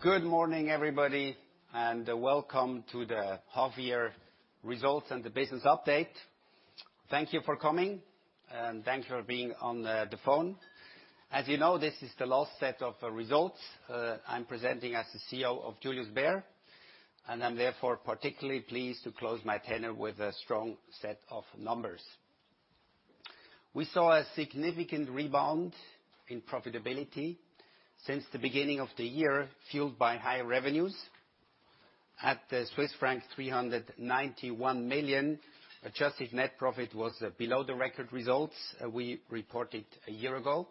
Good morning, everybody, and welcome to the half-year results and the business update. Thank you for coming, and thank you for being on the phone. As you know, this is the last set of results I'm presenting as the CEO of Julius Bär, and I'm therefore particularly pleased to close my tenure with a strong set of numbers. We saw a significant rebound in profitability since the beginning of the year, fueled by high revenues. At Swiss franc 391 million, adjusted net profit was below the record results we reported a year ago,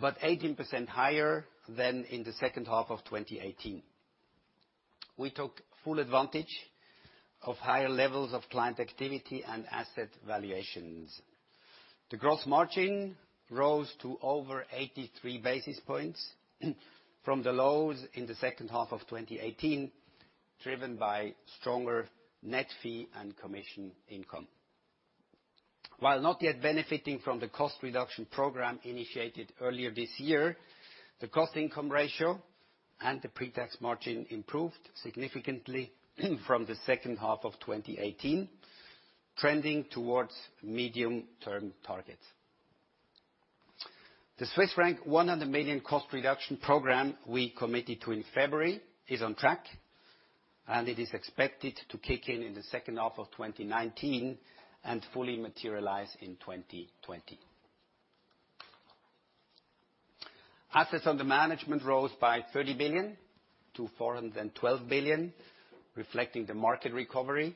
but 18% higher than in the second half of 2018. We took full advantage of higher levels of client activity and asset valuations. The gross margin rose to over 83 basis points from the lows in the second half of 2018, driven by stronger net fee and commission income. While not yet benefiting from the cost reduction program initiated earlier this year, the cost-income ratio and the pre-tax margin improved significantly from the second half of 2018, trending towards medium-term targets. The 100 million cost reduction program we committed to in February is on track, it is expected to kick in in the second half of 2019 and fully materialize in 2020. Assets under management rose by 30 billion-412 billion, reflecting the market recovery,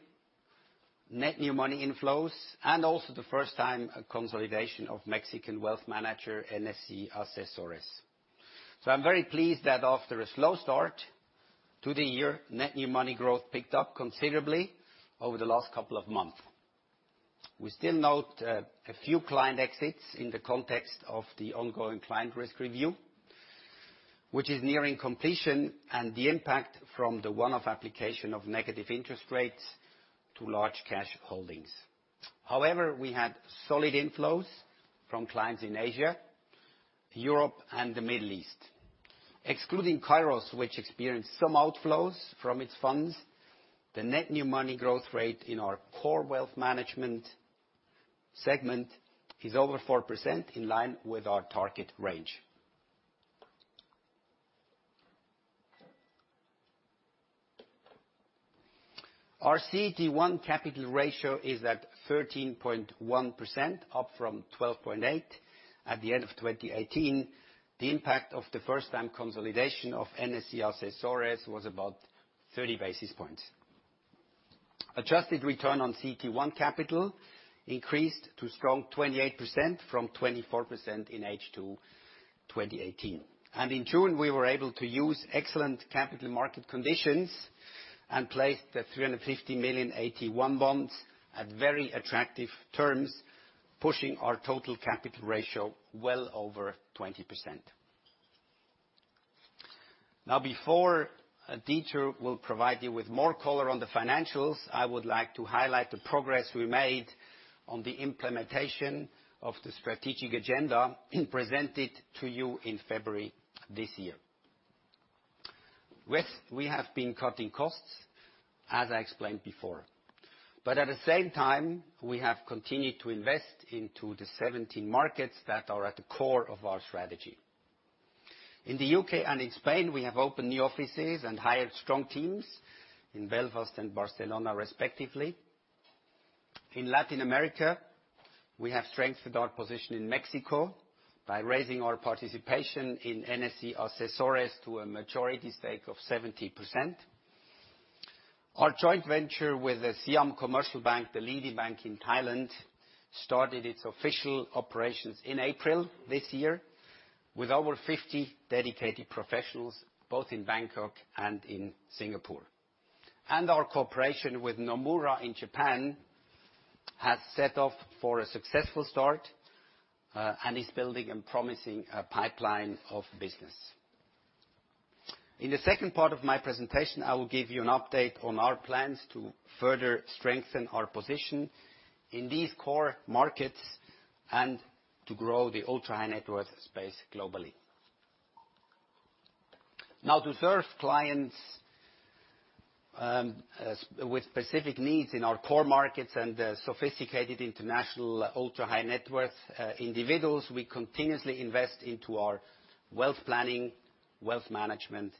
net new money inflows, and also the first time consolidation of Mexican wealth manager NSC Asesores. I'm very pleased that after a slow start to the year, net new money growth picked up considerably over the last couple of months. We still note a few client exits in the context of the ongoing client risk review, which is nearing completion, and the impact from the one-off application of negative interest rates to large cash holdings. We had solid inflows from clients in Asia, Europe, and the Middle East. Excluding Kairos, which experienced some outflows from its funds, the net new money growth rate in our core wealth management segment is over 4%, in line with our target range. Our CET1 capital ratio is at 13.1%, up from 12.8% at the end of 2018. The impact of the first time consolidation of NSC Asesores was about 30 basis points. Adjusted return on CET1 capital increased to strong 28% from 24% in H2 2018. In June, we were able to use excellent capital market conditions and placed the 350 million AT1 bonds at very attractive terms, pushing our total capital ratio well over 20%. Now, before Dieter will provide you with more color on the financials, I would like to highlight the progress we made on the implementation of the strategic agenda presented to you in February this year. We have been cutting costs, as I explained before. At the same time, we have continued to invest into the 17 markets that are at the core of our strategy. In the U.K. and in Spain, we have opened new offices and hired strong teams in Belfast and Barcelona respectively. In Latin America, we have strengthened our position in Mexico by raising our participation in NSC Asesores to a majority stake of 70%. Our joint venture with the Siam Commercial Bank, the leading bank in Thailand, started its official operations in April this year with over 50 dedicated professionals, both in Bangkok and in Singapore. Our cooperation with Nomura in Japan has set off for a successful start and is building a promising pipeline of business. In the second part of my presentation, I will give you an update on our plans to further strengthen our position in these core markets and to grow the ultra-high-net-worth space globally. Now, to serve clients with specific needs in our core markets and sophisticated international ultra-high-net-worth individuals, we continuously invest into our wealth planning, wealth management,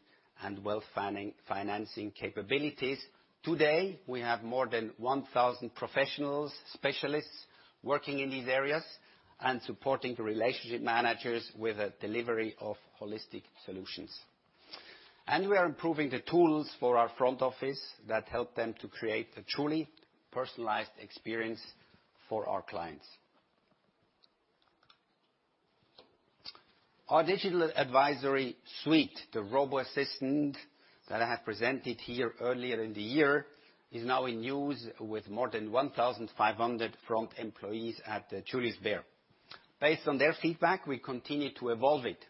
and wealth financing capabilities. Today, we have more than 1,000 professionals, specialists, working in these areas and supporting the relationship managers with a delivery of holistic solutions. We are improving the tools for our front office that help them to create a truly personalized experience for our clients. Our Digital Advisory Suite, the robo-assistant that I have presented here earlier in the year, is now in use with more than 1,500 front employees at Julius Bär. Based on their feedback, we continue to evolve it.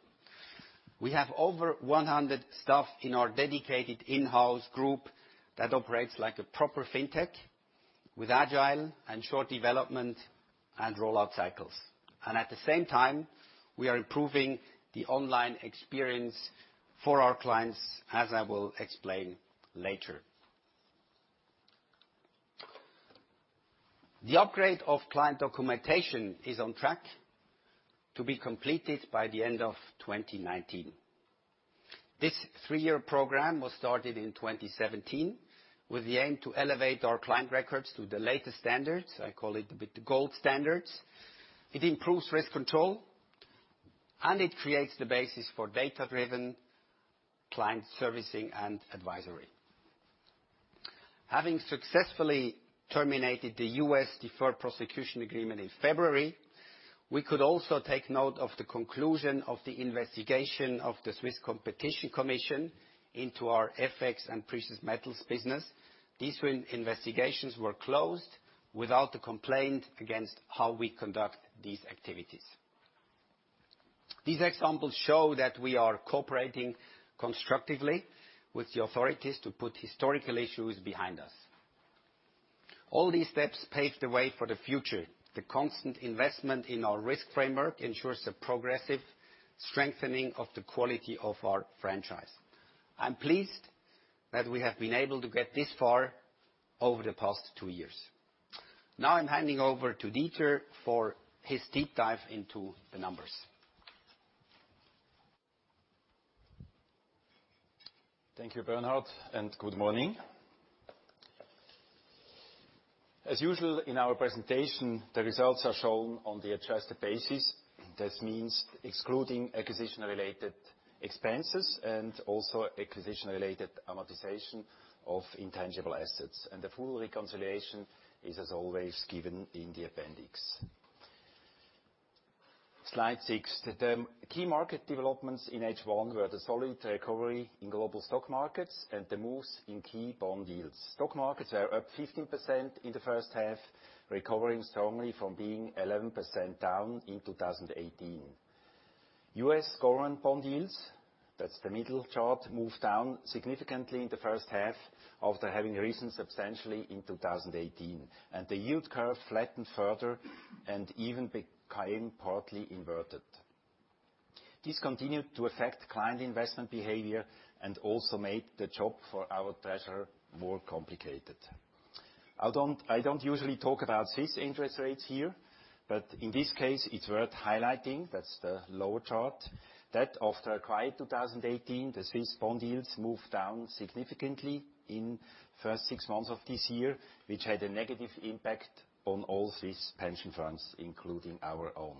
We have over 100 staff in our dedicated in-house group that operates like a proper fintech. With agile and short development and rollout cycles. At the same time, we are improving the online experience for our clients, as I will explain later. The upgrade of client documentation is on track to be completed by the end of 2019. This three-year program was started in 2017 with the aim to elevate our client records to the latest standards. I call it the gold standards. It improves risk control. It creates the basis for data-driven client servicing and advisory. Having successfully terminated the U.S. deferred prosecution agreement in February, we could also take note of the conclusion of the investigation of the Swiss Competition Commission into our FX and precious metals business. These investigations were closed without a complaint against how we conduct these activities. These examples show that we are cooperating constructively with the authorities to put historical issues behind us. All these steps pave the way for the future. The constant investment in our risk framework ensures the progressive strengthening of the quality of our franchise. I'm pleased that we have been able to get this far over the past two years. I'm handing over to Dieter for his deep dive into the numbers. Thank you, Bernhard, good morning. As usual, in our presentation, the results are shown on the adjusted basis. This means excluding acquisition-related expenses and also acquisition-related amortization of intangible assets, the full reconciliation is, as always, given in the appendix. Slide six. The key market developments in H1 were the solid recovery in global stock markets and the moves in key bond yields. Stock markets were up 15% in the first half, recovering strongly from being 11% down in 2018. U.S. government bond yields, that's the middle chart, moved down significantly in the first half after having risen substantially in 2018, the yield curve flattened further and even became partly inverted. This continued to affect client investment behavior and also made the job for our treasurer more complicated. I don't usually talk about Swiss interest rates here, but in this case, it's worth highlighting, that's the lower chart, that after a quiet 2018, the Swiss bond yields moved down significantly in first six months of this year, which had a negative impact on all Swiss pension funds, including our own.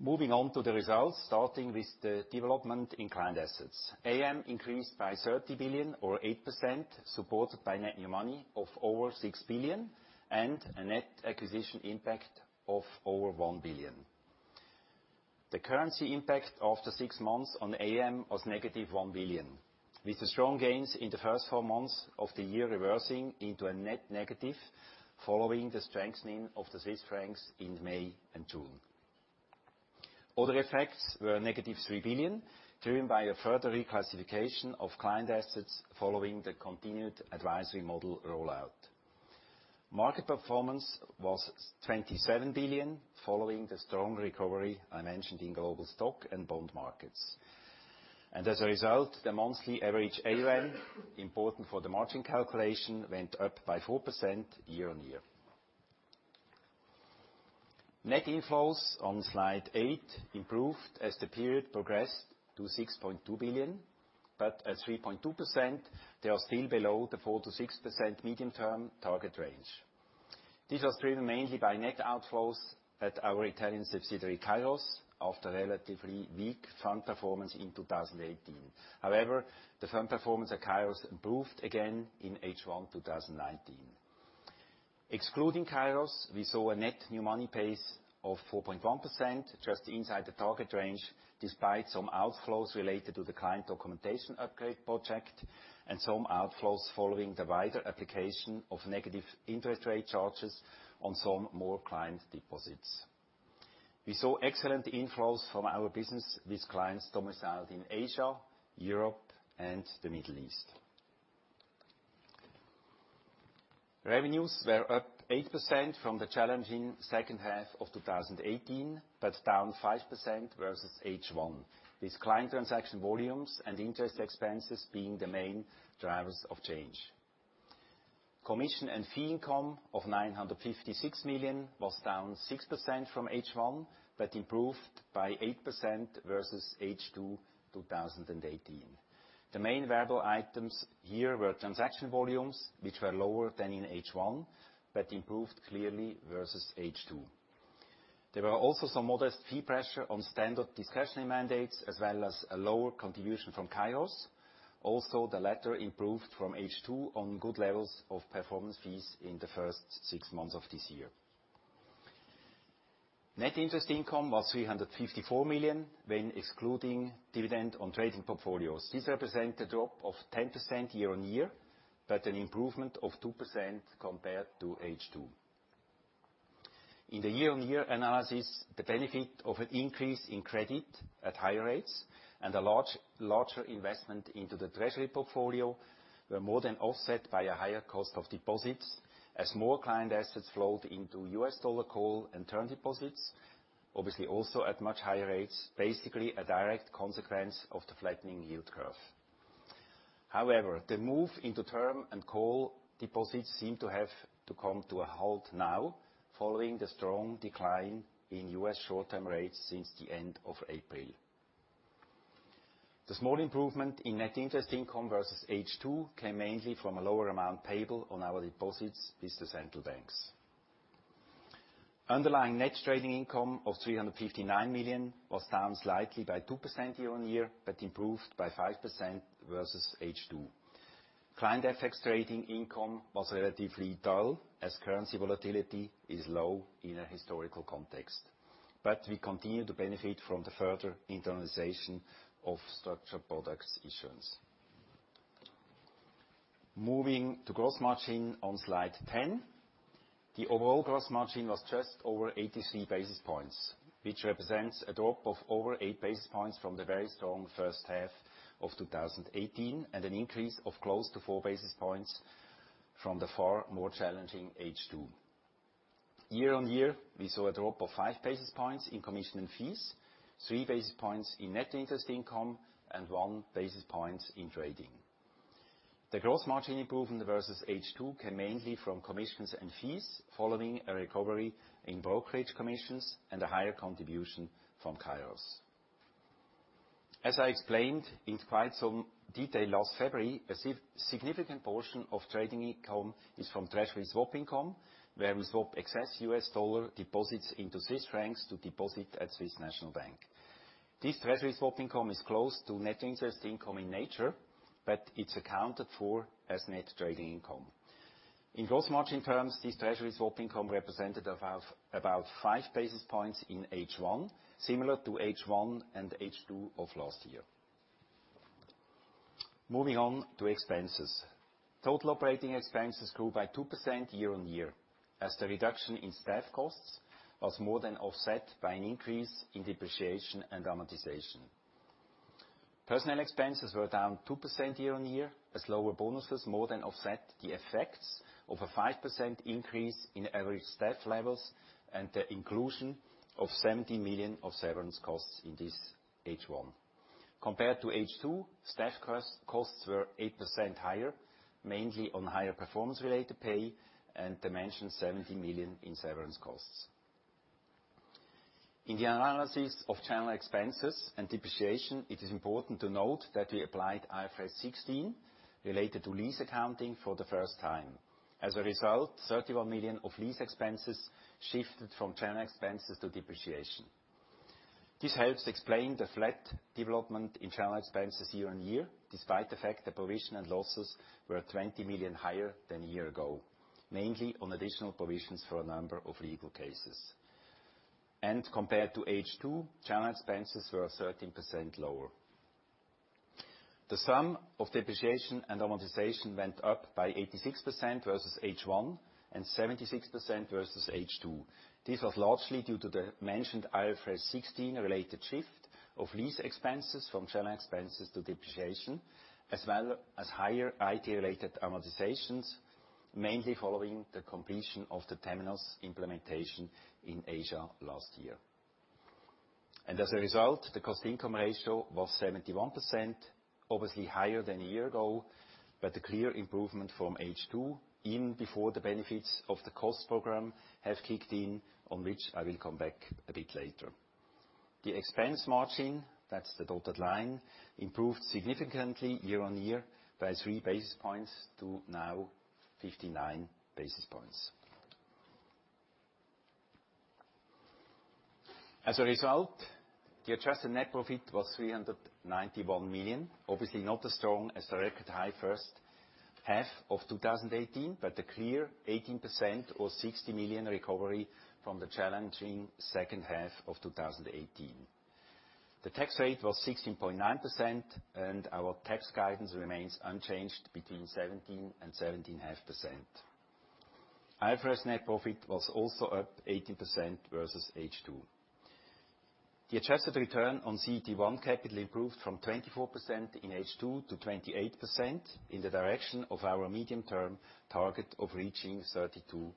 Moving on to the results, starting with the development in client assets. AUM increased by 30 billion or 8%, supported by net new money of over 6 billion and a net acquisition impact of over 1 billion. The currency impact after six months on AUM was negative 1 billion, with the strong gains in the first six months of the year reversing into a net negative following the strengthening of the Swiss francs in May and June. Other effects were a negative 3 billion, driven by a further reclassification of client assets following the continued advisory model rollout. Market performance was 27 billion, following the strong recovery I mentioned in global stock and bond markets. As a result, the monthly average AUM, important for the margin calculation, went up by 4% year-on-year. Net inflows on slide eight improved as the period progressed to 6.2 billion. At 3.2%, they are still below the 4%-6% medium-term target range. This was driven mainly by net outflows at our Italian subsidiary, Kairos, after relatively weak fund performance in 2018. However, the fund performance at Kairos improved again in H1 2019. Excluding Kairos, we saw a net new money pace of 4.1%, just inside the target range, despite some outflows related to the client documentation upgrade project and some outflows following the wider application of negative interest rate charges on some more client deposits. We saw excellent inflows from our business with clients domiciled in Asia, Europe, and the Middle East. Revenues were up 8% from the challenging second half of 2018, but down 5% versus H1, with client transaction volumes and interest expenses being the main drivers of change. Commission and fee income of 956 million was down 6% from H1, but improved by 8% versus H2 2018. The main variable items here were transaction volumes, which were lower than in H1, but improved clearly versus H2. There were also some modest fee pressure on standard discretionary mandates as well as a lower contribution from Kairos. Also, the latter improved from H2 on good levels of performance fees in the first six months of this year. Net interest income was 354 million when excluding dividend on trading portfolios. This represents a drop of 10% year-on-year, but an improvement of 2% compared to H2. In the year-on-year analysis, the benefit of an increase in credit at higher rates and a larger investment into the treasury portfolio were more than offset by a higher cost of deposits as more client assets flowed into U.S. dollar call and term deposits, obviously also at much higher rates, basically a direct consequence of the flattening yield curve. The move into term and call deposits seem to have to come to a halt now following the strong decline in U.S. short-term rates since the end of April. The small improvement in net interest income versus H2 came mainly from a lower amount payable on our deposits with the central banks. Underlying net trading income of 359 million was down slightly by 2% year-on-year, but improved by 5% versus H2. Client FX trading income was relatively dull, as currency volatility is low in a historical context. We continue to benefit from the further internalization of structured products issuance. Moving to gross margin on slide 10. The overall gross margin was just over 83 basis points, which represents a drop of over eight basis points from the very strong first half of 2018, and an increase of close to four basis points from the far more challenging H2. Year-on-year, we saw a drop of five basis points in commission and fees, three basis points in net interest income, and one basis point in trading. The gross margin improvement versus H2 came mainly from commissions and fees following a recovery in brokerage commissions and a higher contribution from Kairos. As I explained in quite some detail last February, a significant portion of trading income is from treasury swap income, where we swap excess U.S. dollar deposits into Swiss francs to deposit at Swiss National Bank. It's accounted for as net trading income. In gross margin terms, this treasury swap income represented about five basis points in H1, similar to H1 and H2 of last year. Moving on to expenses. Total operating expenses grew by 2% year-on-year, as the reduction in staff costs was more than offset by an increase in depreciation and amortization. Personnel expenses were down 2% year-on-year, as lower bonuses more than offset the effects of a 5% increase in average staff levels and the inclusion of 70 million of severance costs in this H1. Compared to H2, staff costs were 8% higher, mainly on higher performance-related pay and the mentioned 70 million in severance costs. In the analysis of general expenses and depreciation, it is important to note that we applied IFRS 16 related to lease accounting for the first time. As a result, 31 million of lease expenses shifted from general expenses to depreciation. This helps explain the flat development in general expenses year-on-year, despite the fact that provision and losses were 20 million higher than a year ago, mainly on additional provisions for a number of legal cases. Compared to H2, general expenses were 13% lower. The sum of depreciation and amortization went up by 86% versus H1, and 76% versus H2. This was largely due to the mentioned IFRS 16 related shift of lease expenses from general expenses to depreciation, as well as higher IT-related amortizations, mainly following the completion of the Temenos implementation in Asia last year. As a result, the cost income ratio was 71%, obviously higher than a year ago, but a clear improvement from H2, even before the benefits of the cost program have kicked in, on which I will come back a bit later. The expense margin, that's the dotted line, improved significantly year-on-year by three basis points to now 59 basis points. As a result, the adjusted net profit was 391 million. Obviously not as strong as the record high first half of 2018, but a clear 18% or 60 million recovery from the challenging second half of 2018. The tax rate was 16.9%, and our tax guidance remains unchanged between 17% and 17.5%. IFRS net profit was also up 18% versus H2. The adjusted return on CET1 capital improved from 24% in H2 to 28%, in the direction of our medium-term target of reaching 32%.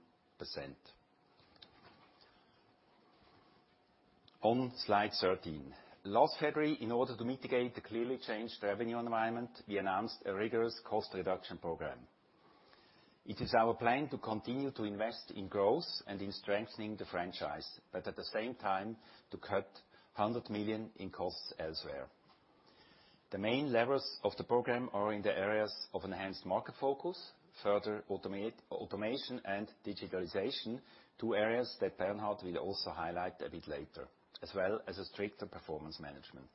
On slide 13. Last February, in order to mitigate the clearly changed revenue environment, we announced a rigorous cost reduction program. It is our plan to continue to invest in growth and in strengthening the franchise, but at the same time, to cut 100 million in costs elsewhere. The main levers of the program are in the areas of enhanced market focus, further automation and digitalization, two areas that Bernhard will also highlight a bit later, as well as a stricter performance management.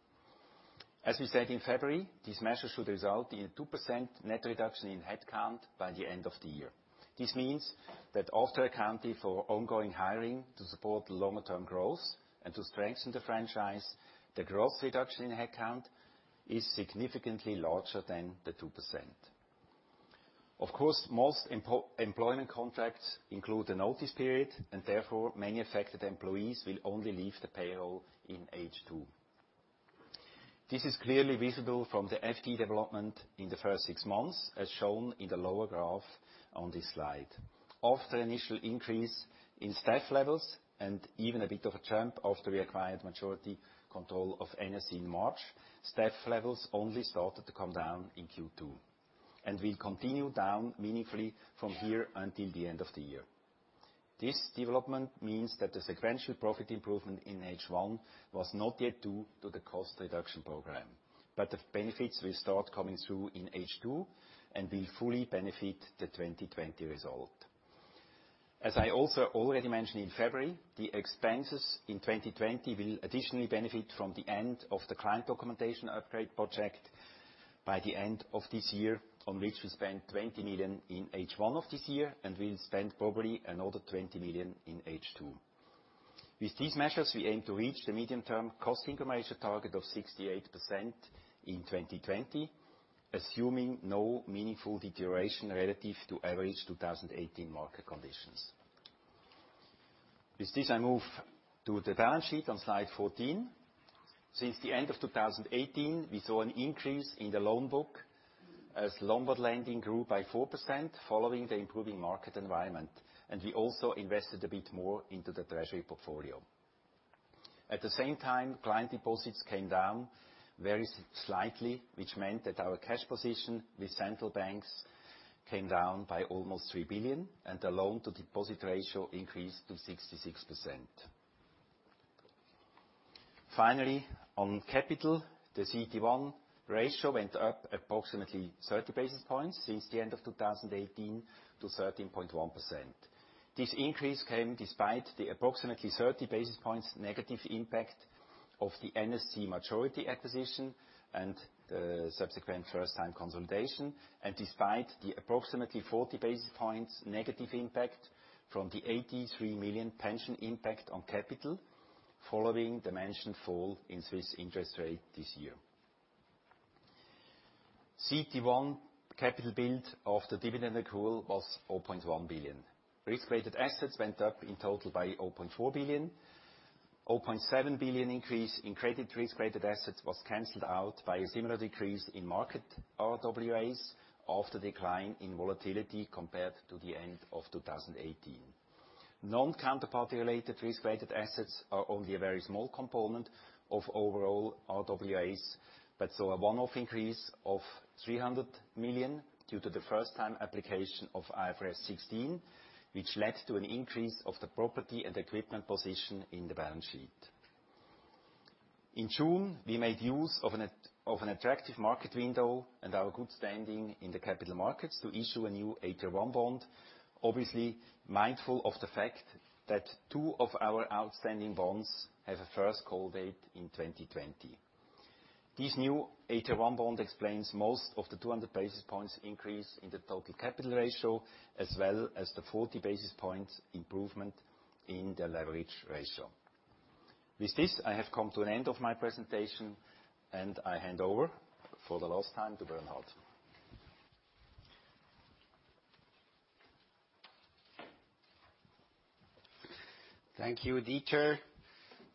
As we said in February, these measures should result in a 2% net reduction in headcount by the end of the year. This means that after accounting for ongoing hiring to support the longer-term growth and to strengthen the franchise, the growth reduction in headcount is significantly larger than the 2%. Of course, most employment contracts include a notice period, and therefore, many affected employees will only leave the payroll in H2. This is clearly visible from the FT development in the first six months, as shown in the lower graph on this slide. After initial increase in staff levels and even a bit of a ramp after we acquired majority control of NSC in March, staff levels only started to come down in Q2, and will continue down meaningfully from here until the end of the year. This development means that the sequential profit improvement in H1 was not yet due to the cost reduction program, but the benefits will start coming through in H2, and will fully benefit the 2020 result. As I also already mentioned in February, the expenses in 2020 will additionally benefit from the end of the client documentation upgrade project by the end of this year, on which we spent 20 million in H1 of this year, and we'll spend probably another 20 million in H2. With these measures, we aim to reach the medium-term cost income measure target of 68% in 2020, assuming no meaningful deterioration relative to average 2018 market conditions. With this, I move to the balance sheet on slide 14. Since the end of 2018, we saw an increase in the loan book, as loan book lending grew by 4% following the improving market environment. We also invested a bit more into the treasury portfolio. At the same time, client deposits came down very slightly, which meant that our cash position with central banks came down by almost 3 billion, and the loan-to-deposit ratio increased to 66%. Finally, on capital, the CET1 ratio went up approximately 30 basis points since the end of 2018 to 13.1%. This increase came despite the approximately 30 basis points negative impact of the NSC majority acquisition and the subsequent first time consolidation, and despite the approximately 40 basis points negative impact from the 83 million pension impact on capital, following the mentioned fall in Swiss interest rate this year. CET1 capital build of the dividend accrual was 0.1 billion. Risk-rated assets went up in total by 4.0 billion, 0.7 billion increase in credit risk-rated assets was canceled out by a similar decrease in market RWAs after decline in volatility compared to the end of 2018. Non-counterparty related risk-rated assets are only a very small component of overall RWAs, but saw a one-off increase of 300 million due to the first time application of IFRS 16, which led to an increase of the property and equipment position in the balance sheet. In June, we made use of an attractive market window and our good standing in the capital markets to issue a new AT1 bond. Obviously, mindful of the fact that two of our outstanding bonds have a first call date in 2020. This new AT1 bond explains most of the 200 basis points increase in the total capital ratio, as well as the 40 basis points improvement in the leverage ratio. With this, I have come to an end of my presentation, and I hand over for the last time to Bernhard. Thank you, Dieter.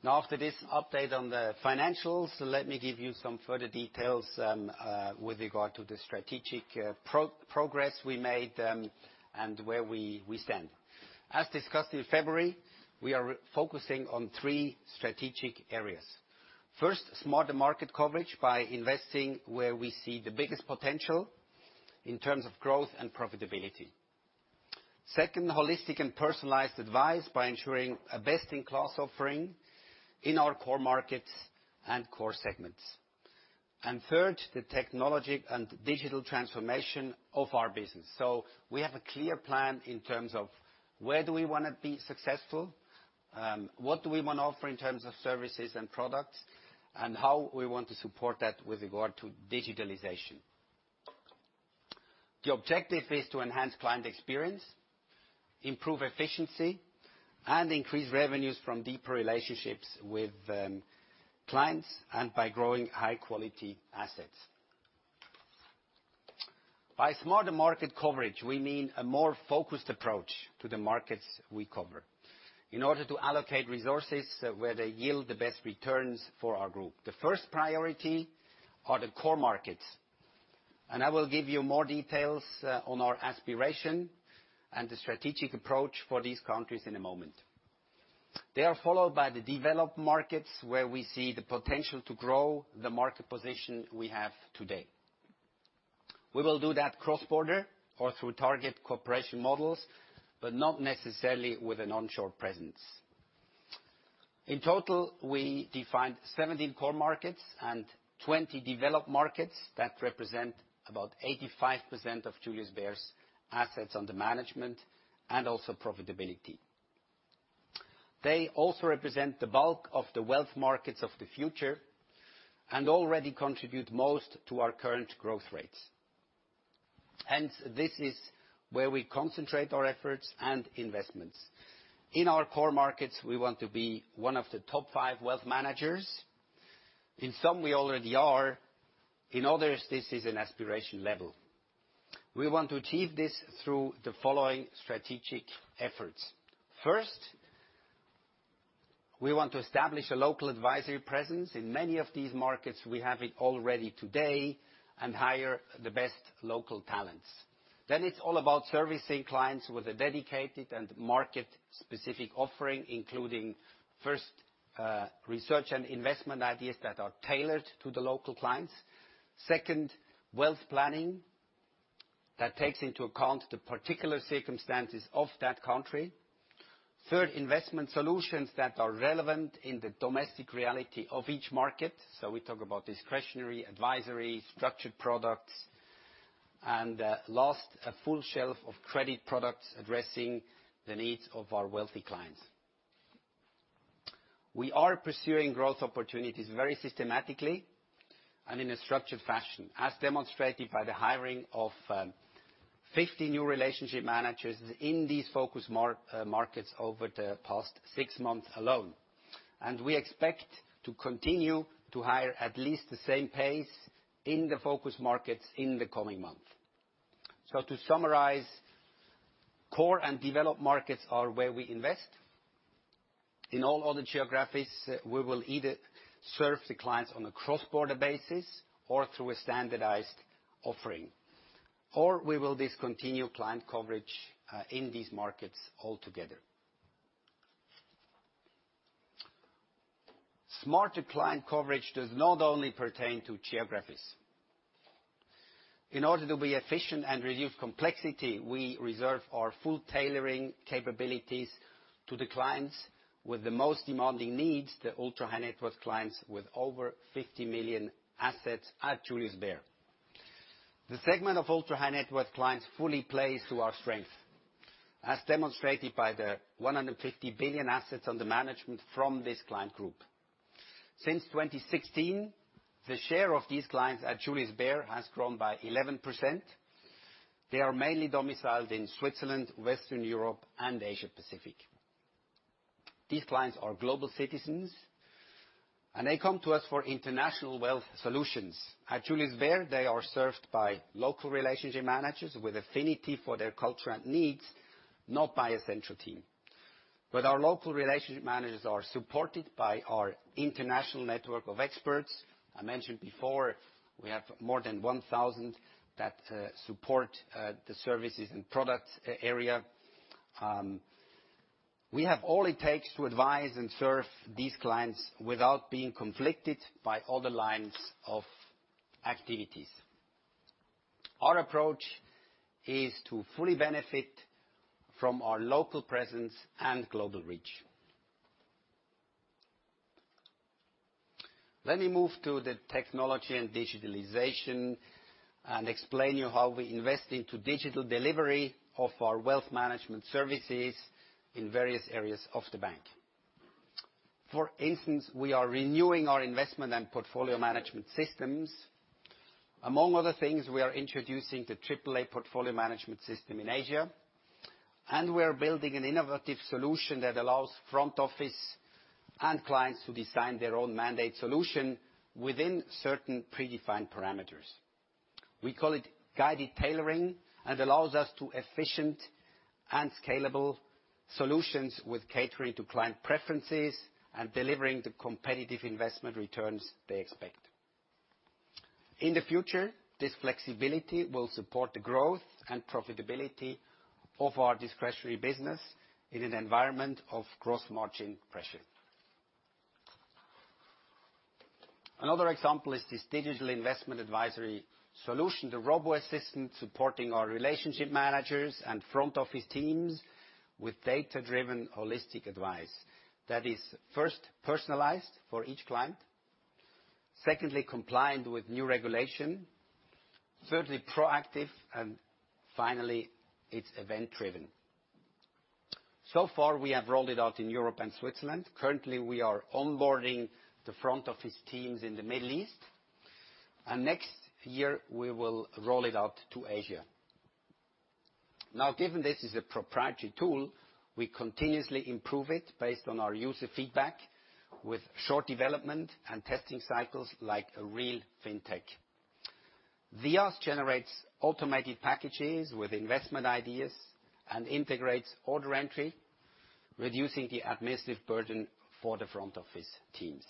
Now, after this update on the financials, let me give you some further details, with regard to the strategic progress we made, and where we stand. As discussed in February, we are focusing on three strategic areas. First, smarter market coverage by investing where we see the biggest potential in terms of growth and profitability. Second, holistic and personalized advice by ensuring a best-in-class offering in our core markets and core segments. Third, the technology and digital transformation of our business. We have a clear plan in terms of where do we wanna be successful, what do we wanna offer in terms of services and products, and how we want to support that with regard to digitalization. The objective is to enhance client experience, improve efficiency, and increase revenues from deeper relationships with clients and by growing high-quality assets. By smarter market coverage, we mean a more focused approach to the markets we cover in order to allocate resources where they yield the best returns for our group. The first priority are the core markets, and I will give you more details on our aspiration and the strategic approach for these countries in a moment. They are followed by the developed markets, where we see the potential to grow the market position we have today. We will do that cross-border or through target cooperation models, but not necessarily with an onshore presence. In total, we defined 17 core markets and 20 developed markets that represent about 85% of Julius Bär's assets under management and also profitability. They also represent the bulk of the wealth markets of the future and already contribute most to our current growth rates. This is where we concentrate our efforts and investments. In our core markets, we want to be one of the top five wealth managers. In some, we already are. In others, this is an aspiration level. We want to achieve this through the following strategic efforts. We want to establish a local advisory presence in many of these markets we have it already today, and hire the best local talents. It's all about servicing clients with a dedicated and market-specific offering, including, first, research and investment ideas that are tailored to the local clients. Second, wealth planning that takes into account the particular circumstances of that country. Third, investment solutions that are relevant in the domestic reality of each market. We talk about discretionary advisory, structured products. Last, a full shelf of credit products addressing the needs of our wealthy clients. We are pursuing growth opportunities very systematically and in a structured fashion, as demonstrated by the hiring of 50 new relationship managers in these focus markets over the past six months alone. We expect to continue to hire at least the same pace in the focus markets in the coming months. To summarize, core and developed markets are where we invest. In all other geographies, we will either serve the clients on a cross-border basis or through a standardized offering, or we will discontinue client coverage in these markets altogether. Smarter client coverage does not only pertain to geographies. In order to be efficient and reduce complexity, we reserve our full tailoring capabilities to the clients with the most demanding needs, the ultra-high-net-worth clients with over 50 million assets at Julius Bär. The segment of ultra-high-net-worth clients fully plays to our strength, as demonstrated by the 150 billion assets under management from this client group. Since 2016, the share of these clients at Julius Bär has grown by 11%. They are mainly domiciled in Switzerland, Western Europe, and Asia-Pacific. These clients are global citizens, and they come to us for international wealth solutions. At Julius Bär, they are served by local relationship managers with affinity for their culture and needs, not by a central team. Our local relationship managers are supported by our international network of experts. I mentioned before, we have more than 1,000 that support the services and product area. We have all it takes to advise and serve these clients without being conflicted by other lines of activities. Our approach is to fully benefit from our local presence and global reach. Let me move to the technology and digitalization and explain you how we invest into digital delivery of our wealth management services in various areas of the bank. For instance, we are renewing our investment and portfolio management systems. Among other things, we are introducing the AAA portfolio management system in Asia, and we are building an innovative solution that allows front office and clients to design their own mandate solution within certain predefined parameters. We call it guided tailoring and allows us to efficient and scalable solutions with catering to client preferences and delivering the competitive investment returns they expect. In the future, this flexibility will support the growth and profitability of our discretionary business in an environment of gross margin pressure. Another example is this digital investment advisory solution, the robo-assistant supporting our relationship managers and front office teams with data-driven holistic advice that is, first, personalized for each client. Secondly, compliant with new regulation. Thirdly, proactive. Finally, it's event-driven. So far, we have rolled it out in Europe and Switzerland. Currently, we are onboarding the front office teams in the Middle East, and next year, we will roll it out to Asia. Given this is a proprietary tool, we continuously improve it based on our user feedback with short development and testing cycles like a real fintech. DiAS generates automated packages with investment ideas and integrates order entry, reducing the administrative burden for the front office teams.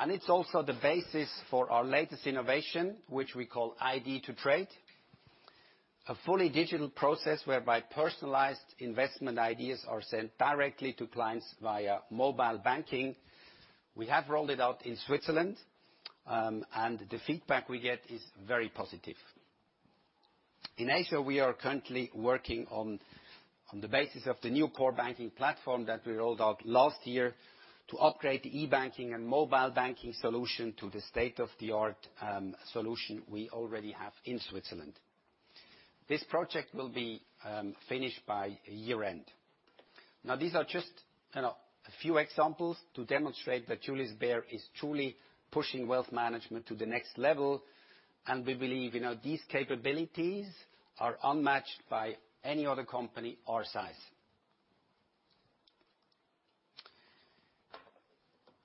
It's also the basis for our latest innovation, which we call Idea to Trade, a fully digital process whereby personalized investment ideas are sent directly to clients via mobile banking. We have rolled it out in Switzerland. The feedback we get is very positive. In Asia, we are currently working on the basis of the new core banking platform that we rolled out last year to upgrade the e-banking and mobile banking solution to the state-of-the-art solution we already have in Switzerland. This project will be finished by year-end. These are just a few examples to demonstrate that Julius Bär is truly pushing wealth management to the next level. We believe these capabilities are unmatched by any other company our size.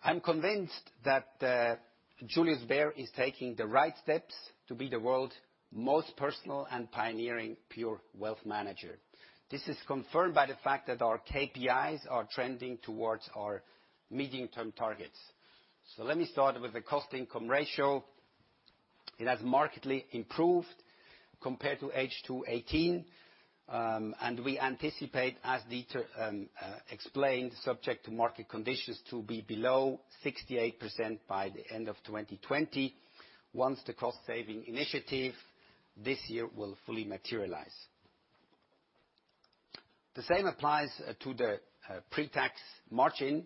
I'm convinced that Julius Bär is taking the right steps to be the world's most personal and pioneering pure wealth manager. This is confirmed by the fact that our KPIs are trending towards our medium-term targets. Let me start with the cost-income ratio. It has markedly improved compared to H2 2018. We anticipate, as Dieter explained, subject to market conditions, to be below 68% by the end of 2020, once the cost-saving initiative this year will fully materialize. The same applies to the pre-tax margin,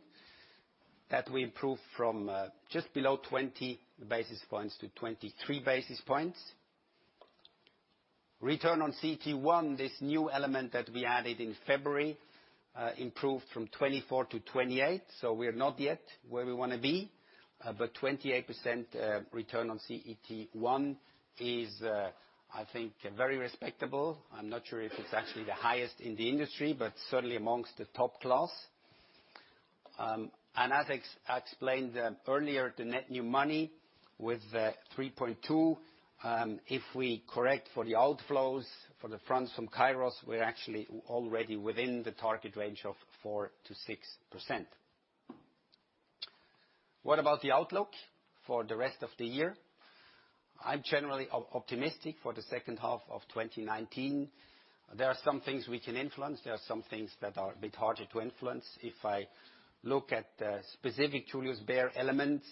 that we improved from just below 20 basis points to 23 basis points. Return on CET1, this new element that we added in February, improved from 24%-28%. We are not yet where we want to be, but 28% return on CET1 is, I think, very respectable. I'm not sure if it's actually the highest in the industry, but certainly amongst the top class. As I explained earlier, the net new money with 3.2%, if we correct for the outflows for the funds from Kairos, we're actually already within the target range of 4%-6%. What about the outlook for the rest of the year? I'm generally optimistic for the second half of 2019. There are some things we can influence. There are some things that are a bit harder to influence. If I look at the specific Julius Bär elements,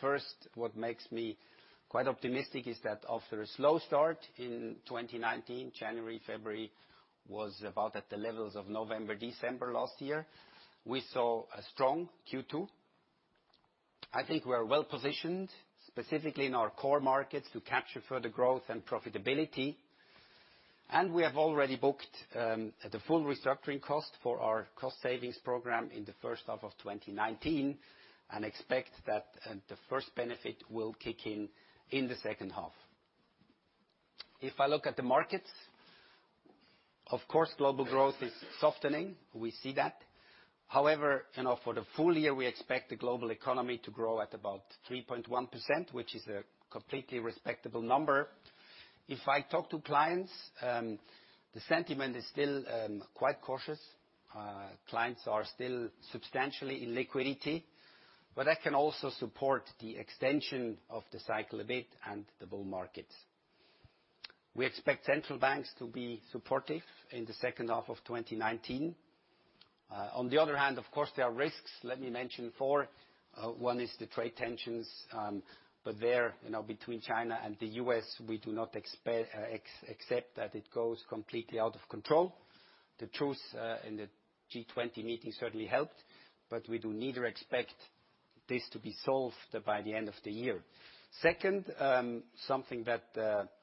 first, what makes me quite optimistic is that after a slow start in 2019, January, February was about at the levels of November, December last year. We saw a strong Q2. I think we're well-positioned, specifically in our core markets, to capture further growth and profitability. We have already booked the full restructuring cost for our cost savings program in the first half of 2019, and expect that the first benefit will kick in the second half. If I look at the markets, of course, global growth is softening. We see that. However, for the full year, we expect the global economy to grow at about 3.1%, which is a completely respectable number. If I talk to clients, the sentiment is still quite cautious. Clients are still substantially in liquidity, but that can also support the extension of the cycle a bit and the bull market. We expect central banks to be supportive in the second half of 2019. On the other hand, of course, there are risks. Let me mention four. One is the trade tensions. There, between China and the U.S., we do not accept that it goes completely out of control. The truce in the G20 meeting certainly helped, but we do neither expect this to be solved by the end of the year. Second, something that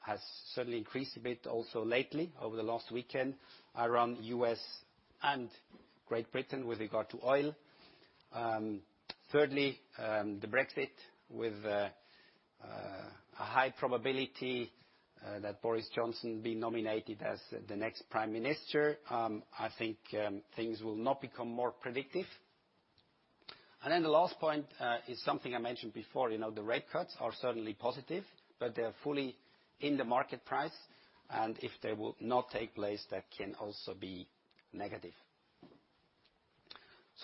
has certainly increased a bit also lately, over the last weekend, around the U.S. and Great Britain with regard to oil. The Brexit, with a high probability that Boris Johnson will be nominated as the next prime minister. I think things will not become more predictive. The last point is something I mentioned before. The rate cuts are certainly positive, but they're fully in the market price, and if they will not take place, that can also be negative.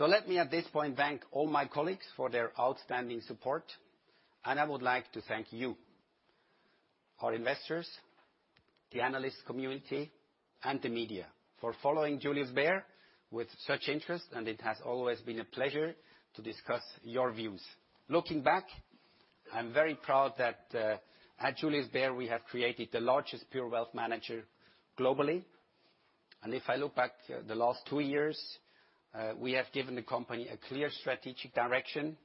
Let me, at this point, thank all my colleagues for their outstanding support, and I would like to thank you, our investors, the analyst community, and the media for following Julius Bär with such interest, and it has always been a pleasure to discuss your views. Looking back, I'm very proud that at Julius Bär, we have created the largest pure wealth manager globally. If I look back the last two years, we have given the company a clear strategic direction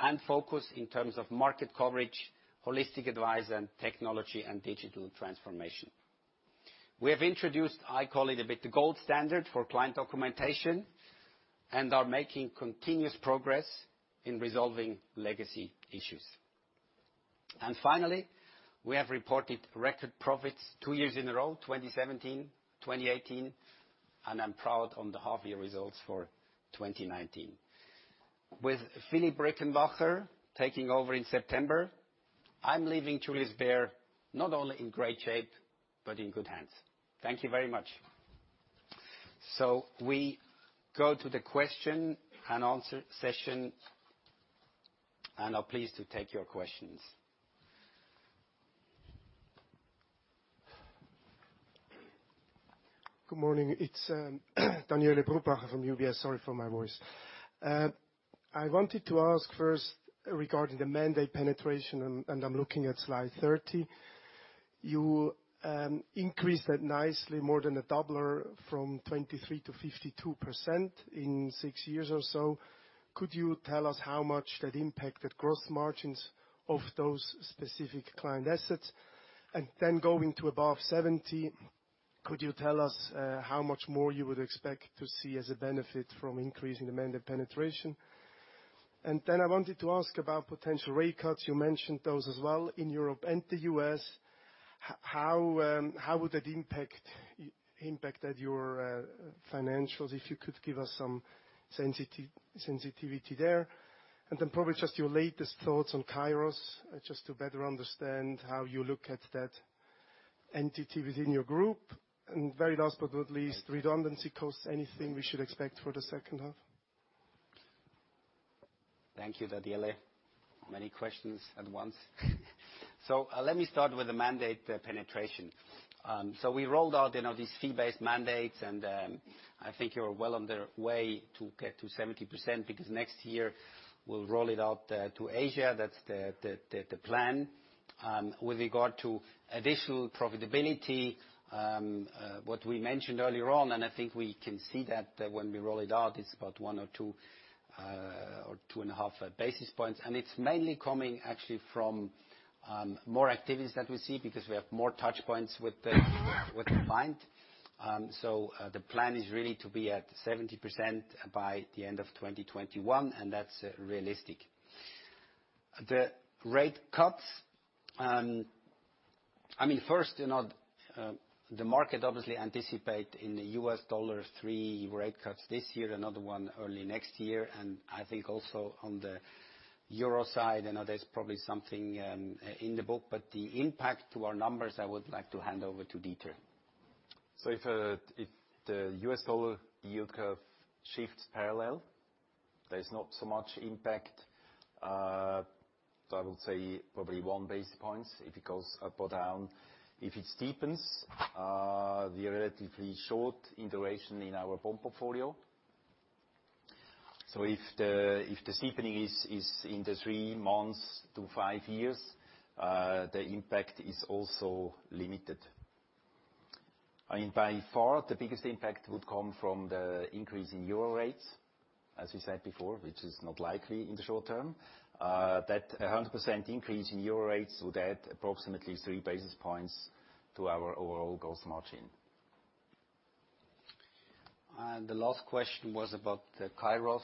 and focus in terms of market coverage, holistic advice, and technology and digital transformation. We have introduced, I call it a bit, the gold standard for client documentation and are making continuous progress in resolving legacy issues. Finally, we have reported record profits two years in a row, 2017, 2018, and I'm proud on the half-year results for 2019. With Philipp Rickenbacher taking over in September, I'm leaving Julius Bär not only in great shape, but in good hands. Thank you very much. We go to the question and answer session, and are pleased to take your questions. Good morning. It is Daniele Brupbacher from UBS. Sorry for my voice. I wanted to ask first regarding the mandate penetration. I am looking at slide 30. You increased that nicely, more than a doubler from 23%-52% in six years or so. Could you tell us how much that impacted gross margins of those specific client assets? Going to above 70%, could you tell us how much more you would expect to see as a benefit from increasing the mandate penetration? I wanted to ask about potential rate cuts. You mentioned those as well in Europe and the U.S. How would that impact your financials? If you could give us some sensitivity there. Probably just your latest thoughts on Kairos, just to better understand how you look at that entity within your group. Very last but not least, redundancy costs, anything we should expect for the second half? Thank you, Daniele. Many questions at once. Let me start with the mandate penetration. We rolled out these fee-based mandates, and I think you're well on the way to get to 70%, because next year we'll roll it out to Asia. That's the plan. With regard to additional profitability, what we mentioned earlier on, and I think we can see that when we roll it out, it's about 1 or 2, or 2.5 basis points. It's mainly coming actually from more activities that we see because we have more touch points with the client. The plan is really to be at 70% by the end of 2021, and that's realistic. The rate cuts. First, the market obviously anticipate in the $3 rate cuts this year, another one early next year. I think also on the euro side, there's probably something in the book. The impact to our numbers, I would like to hand over to Dieter. If the U.S. dollar yield curve shifts parallel, there's not so much impact. I would say probably one basis point, if it goes up or down. If it steepens, the relatively short duration in our bond portfolio. If the steepening is in the three months to five years, the impact is also limited. By far, the biggest impact would come from the increase in Euro rates, as we said before, which is not likely in the short term. That 100% increase in Euro rates would add approximately three basis points to our overall gross margin. The last question was about Kairos.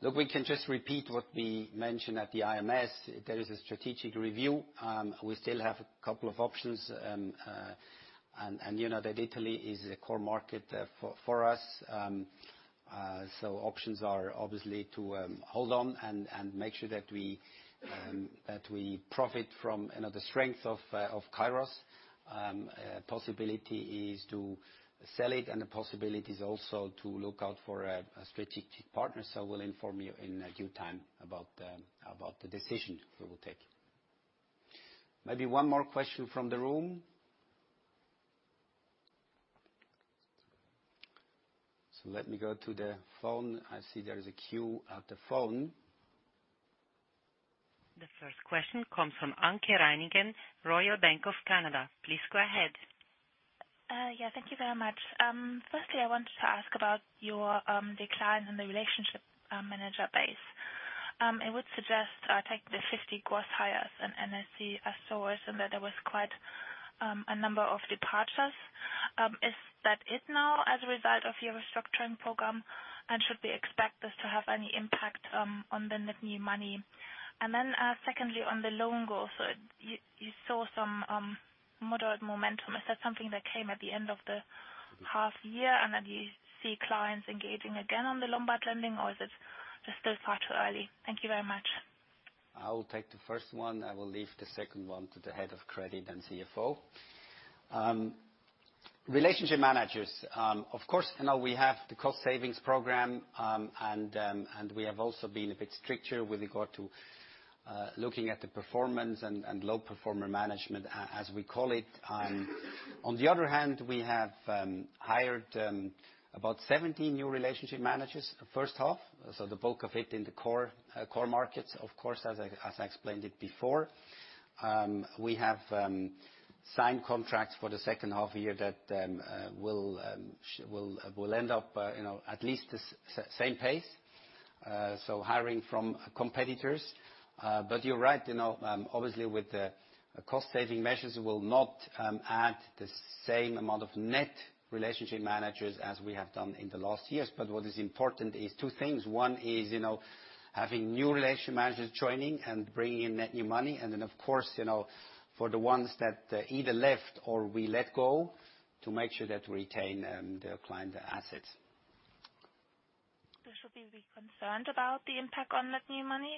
Look, we can just repeat what we mentioned at the IMS. There is a strategic review. We still have a couple of options, and that Italy is a core market for us. Options are obviously to hold on and make sure that we profit from the strength of Kairos. Possibility is to sell it, and the possibility is also to look out for a strategic partner. We'll inform you in due time about the decision we will take. Maybe one more question from the room. Let me go to the phone. I see there is a queue at the phone. The first question comes from Anke Reingen, Royal Bank of Canada. Please go ahead. Thank you very much. Firstly, I wanted to ask about your decline in the relationship manager base. I would suggest, I take the 50 gross hires and NFC as source, and that there was quite a number of departures. Is that it now as a result of your restructuring program, and should we expect this to have any impact on the net new money? Secondly, on the loan growth, you saw some moderate momentum. Is that something that came at the end of the half year, and then you see clients engaging again on the Lombard lending, or is it just still far too early? Thank you very much. I will take the first one. I will leave the second one to the head of credit and CFO. Relationship managers. Of course, we have the cost savings program, and we have also been a bit stricter with regard to looking at the performance and low performer management, as we call it. On the other hand, we have hired about 17 new relationship managers first half, the bulk of it in the core markets, of course, as I explained it before. We have signed contracts for the second half year that will end up at least the same pace. Hiring from competitors. You're right. Obviously, with the cost saving measures, we will not add the same amount of net relationship managers as we have done in the last years. What is important is two things. One is, having new relationship managers joining and bringing in net new money. Of course, for the ones that either left or we let go, to make sure that we retain their client assets. Should we be concerned about the impact on net new money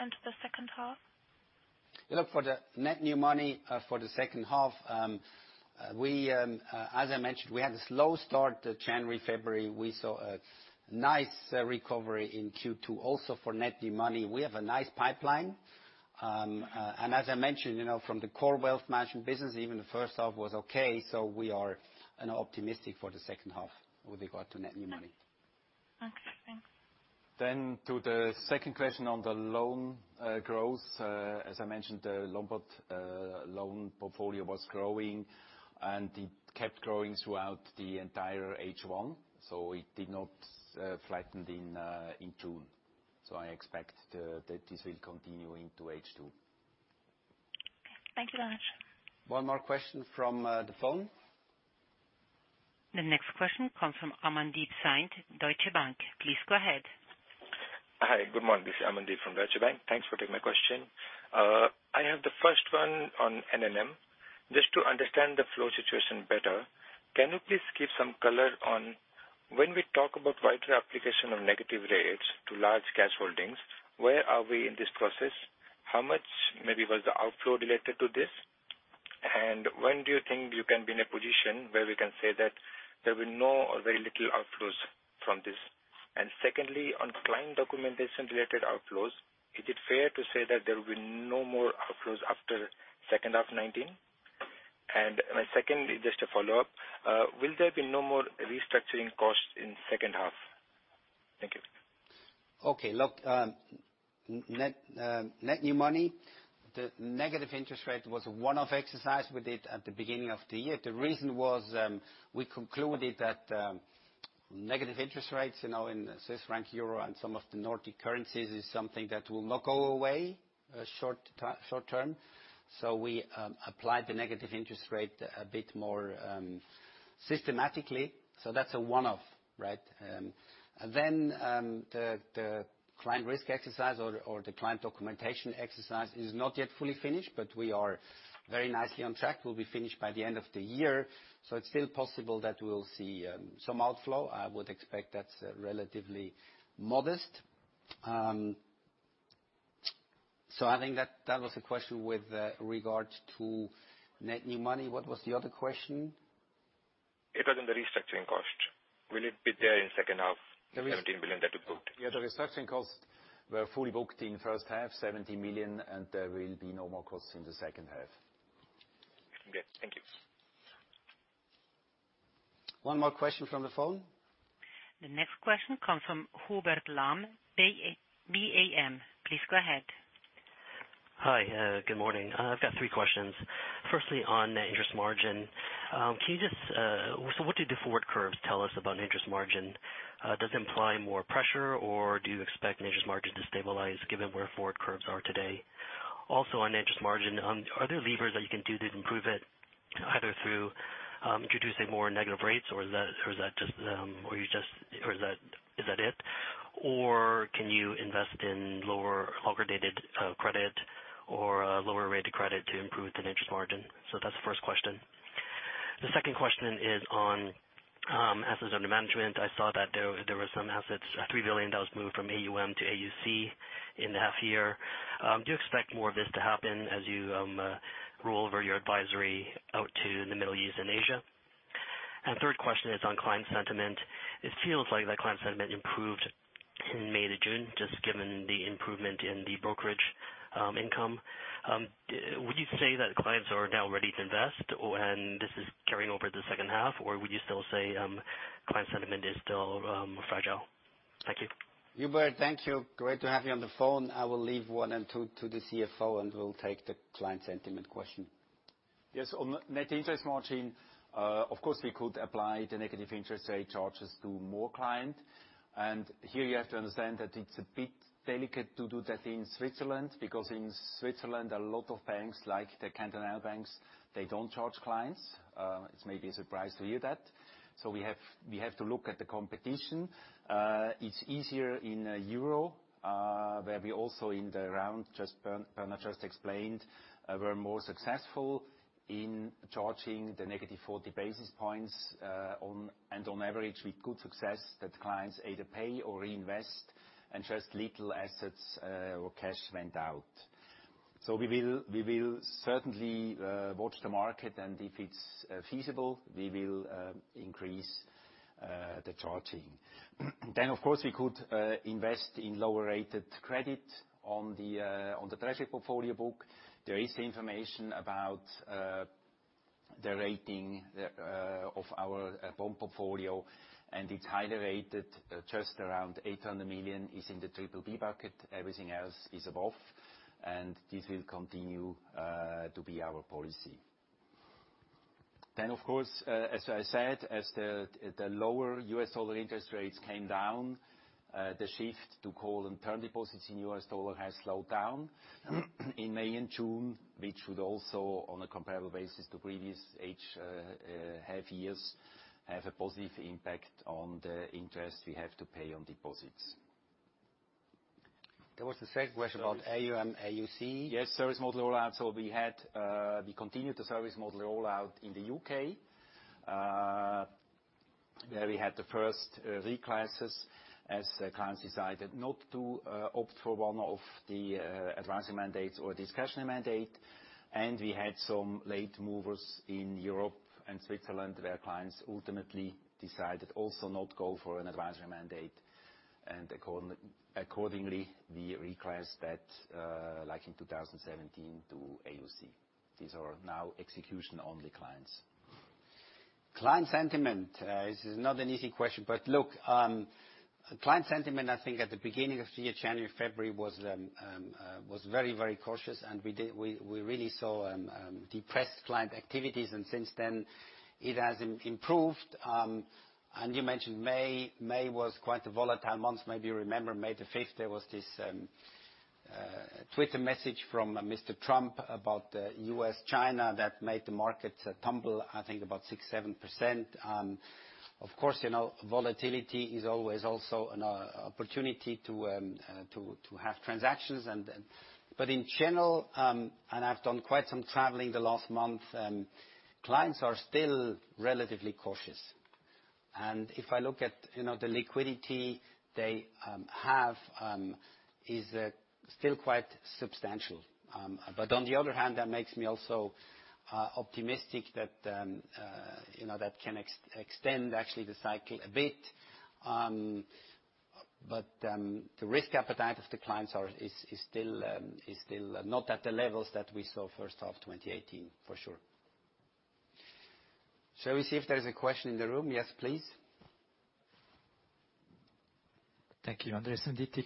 into the second half? Look, for the net new money for the second half, as I mentioned, we had a slow start to January, February. We saw a nice recovery in Q2 also for net new money. We have a nice pipeline. As I mentioned, from the core wealth management business, even the first half was okay. We are optimistic for the second half with regard to net new money. Okay. Thanks. To the second question on the loan growth. As I mentioned, the Lombard loan portfolio was growing, and it kept growing throughout the entire H1. It did not flattened in June. I expect that this will continue into H2. Thank you very much. One more question from the phone. The next question comes from Amandeep Singh, Deutsche Bank. Please go ahead. Hi, good morning. This is Amandeep from Deutsche Bank. Thanks for taking my question. I have the first one on NNM. Just to understand the flow situation better, can you please give some color on when we talk about wider application of negative rates to large cash holdings, where are we in this process? How much, maybe, was the outflow related to this? When do you think you can be in a position where we can say that there will no or very little outflows from this? Secondly, on client documentation-related outflows, is it fair to say that there will be no more outflows after second half 2019? My second is just a follow-up. Will there be no more restructuring costs in second half? Thank you. Okay. Look, net new money, the negative interest rate was a one-off exercise we did at the beginning of the year. The reason was, we concluded that negative interest rates in Swiss franc, euro, and some of the Nordic currencies is something that will not go away short term. We applied the negative interest rate a bit more systematically. That's a one-off, right? The client risk exercise or the client documentation exercise is not yet fully finished, but we are very nicely on track. We'll be finished by the end of the year. It's still possible that we'll see some outflow. I would expect that's relatively modest. I think that was a question with regards to net new money. What was the other question? It was on the restructuring cost. Will it be there in second half, 17 billion that you booked? Yeah. The restructuring costs were fully booked in first half, 17 million. There will be no more costs in the second half. Okay. Thank you. One more question from the phone. The next question comes from Hubert Lam, BAM. Please go ahead. Hi, good morning. I've got three questions. Firstly, on net interest margin. What do the forward curves tell us about interest margin? Does it imply more pressure, or do you expect net interest margin to stabilize, given where forward curves are today? Also on net interest margin, are there levers that you can do to improve it, either through introducing more negative rates or is that it? Can you invest in lower-rated credit or lower rate of credit to improve the net interest margin? That's the first question. The second question is on assets under management. I saw that there was some assets, CHF 3 billion that was moved from AUM to AUC in the half year. Do you expect more of this to happen as you roll over your advisory out to the Middle East and Asia? Third question is on client sentiment. It feels like the client sentiment improved in May to June, just given the improvement in the brokerage income. Would you say that clients are now ready to invest and this is carrying over the second half? Would you still say client sentiment is still fragile? Thank you. Hubert, thank you. Great to have you on the phone. I will leave one and two to the CFO, and we'll take the client sentiment question. Yes. On net interest margin, of course, we could apply the negative interest rate charges to more client. Here you have to understand that it's a bit delicate to do that in Switzerland, because in Switzerland, a lot of banks, like the cantonal banks, they don't charge clients. It may be a surprise to hear that. We have to look at the competition. It's easier in euro, where we also in the round, Bernhard just explained, were more successful in charging the negative 40 basis points. On average, with good success that clients either pay or reinvest and just little assets or cash went out. We will certainly watch the market, and if it's feasible, we will increase the charging. Of course, we could invest in lower-rated credit on the treasury portfolio book. There is information about the rating of our bond portfolio, and it's highly rated, just around 800 million is in the triple B bucket. Everything else is above, and this will continue to be our policy. Of course, as I said, as the lower U.S. dollar interest rates came down, the shift to call and term deposits in U.S. dollar has slowed down in May and June, which would also, on a comparable basis to previous H half years, have a positive impact on the interest we have to pay on deposits. There was the second question about AUM, AUC. Yes, service model rollout. We continued the service model rollout in the U.K., where we had the first reclasses as clients decided not to opt for one of the advisory mandates or discussion mandate. We had some late movers in Europe and Switzerland, where clients ultimately decided also not go for an advisory mandate. Accordingly, we reclass that, like in 2017, to AUC. These are now execution-only clients. Client sentiment. This is not an easy question, but look, client sentiment, I think at the beginning of the year, January, February, was very cautious. We really saw depressed client activities, and since then it has improved. You mentioned May. May was quite a volatile month. Maybe you remember May the 5th, there was this Twitter message from Mr. Trump about the U.S., China, that made the markets tumble, I think about 6%, 7%. Of course, volatility is always also an opportunity to have transactions. In general, and I've done quite some traveling the last month, clients are still relatively cautious. If I look at the liquidity they have, is still quite substantial. On the other hand, that makes me also optimistic that can extend actually the cycle a bit. The risk appetite of the clients is still not at the levels that we saw first half 2018, for sure. Shall we see if there's a question in the room? Yes, please. Thank you, Andreas Venditti.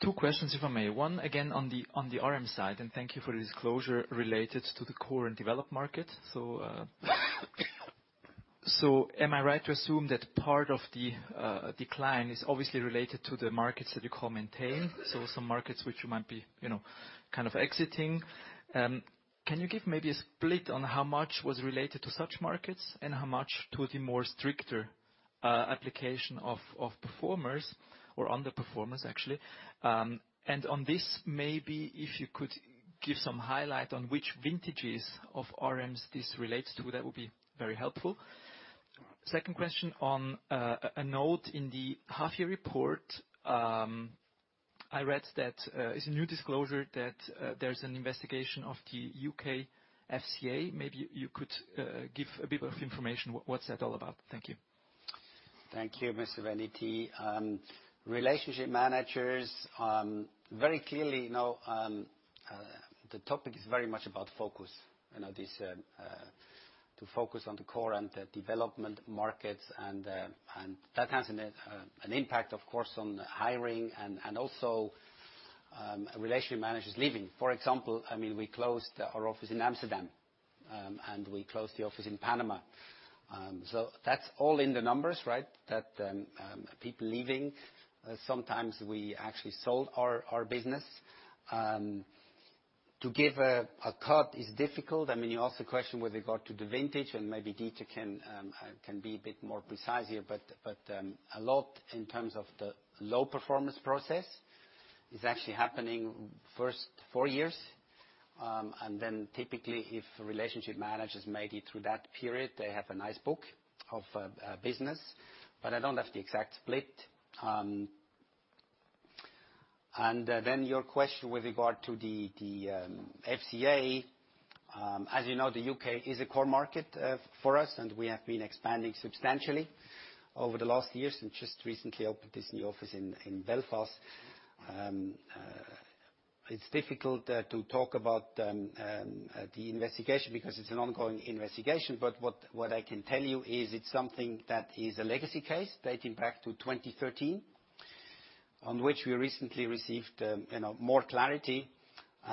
Two questions, if I may. One, again, on the RM side. Thank you for the disclosure related to the core and developed market. Am I right to assume that part of the decline is obviously related to the markets that you call maintain, some markets which you might be exiting. Can you give maybe a split on how much was related to such markets, and how much to the more stricter application of performers or underperformers, actually. On this, maybe if you could give some highlight on which vintages of RMs this relates to, that would be very helpful. Second question, on a note in the half-year report, I read that, it's a new disclosure, that there's an investigation of the U.K. FCA. Maybe you could give a bit of information, what's that all about? Thank you. Thank you, Mr. Venditti T. Relationship managers, very clearly, the topic is very much about focus. To focus on the core and the development markets, and that has an impact, of course, on the hiring and also relationship managers leaving. For example, we closed our office in Amsterdam, and we closed the office in Panama. That's all in the numbers, right? That people leaving. Sometimes we actually sold our business. To give a cut is difficult. You asked the question with regard to the vintage, and maybe Dieter can be a bit more precise here. A lot in terms of the low performance process is actually happening first four years. Then typically, if relationship managers make it through that period, they have a nice book of business. I don't have the exact split. Your question with regard to the FCA. As you know, the U.K. is a core market for us, and we have been expanding substantially over the last years and just recently opened this new office in Belfast. It's difficult to talk about the investigation because it's an ongoing investigation. What I can tell you is it's something that is a legacy case dating back to 2013, on which we recently received more clarity.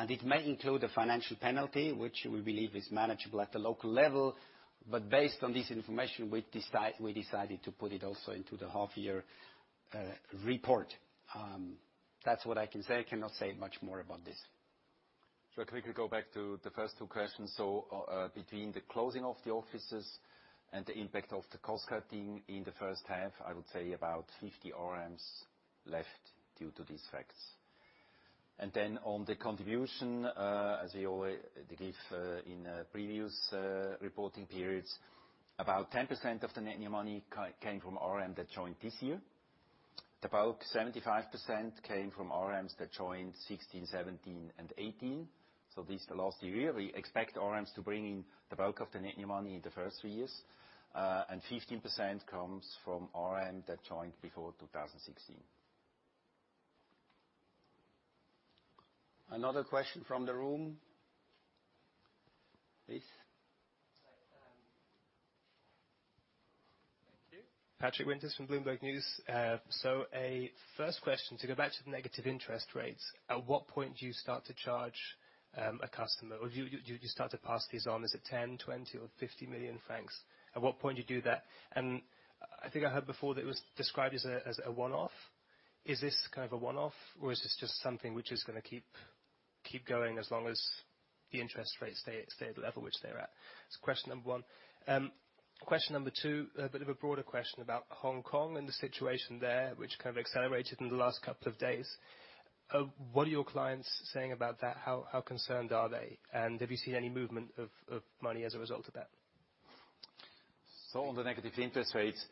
It may include a financial penalty, which we believe is manageable at the local level. Based on this information, we decided to put it also into the half-year report. That's what I can say. I cannot say much more about this. I quickly go back to the first two questions. Between the closing of the offices and the impact of the cost-cutting in the first half, I would say about 50 RMs left due to these facts. On the contribution, as we always give in previous reporting periods, about 10% of the net new money came from RM that joined this year. About 75% came from RMs that joined 2016, 2017, and 2018. This last year, we expect RMs to bring in the bulk of the net new money in the first three years. 15% comes from RM that joined before 2016. Another question from the room. Please. Thank you. Patrick Winters from Bloomberg News. A first question, to go back to the negative interest rates. At what point do you start to charge a customer, or do you start to pass these on? Is it 10 million, 20 million, or 50 million francs? At what point do you do that? I think I heard before that it was described as a one-off. Is this kind of a one-off, or is this just something which is going to keep going as long as the interest rates stay at the level which they're at? Question number one. Question number two, a bit of a broader question about Hong Kong and the situation there, which kind of accelerated in the last couple of days. What are your clients saying about that? How concerned are they, and have you seen any movement of money as a result of that? On the negative interest rates,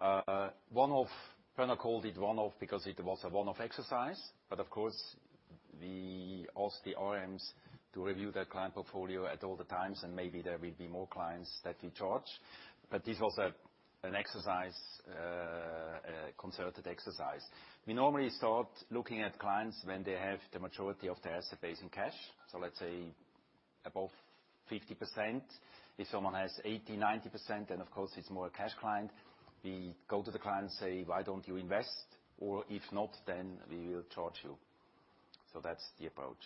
one-off. Bruno called it one-off because it was a one-off exercise. Of course, we ask the RMs to review their client portfolio at all the times, and maybe there will be more clients that we charge. This was an concerted exercise. We normally start looking at clients when they have the majority of their asset base in cash. Above 50%. If someone has 80%, 90%, then of course it's more a cash client. We go to the client and say, "Why don't you invest? Or if not, then we will charge you." That's the approach.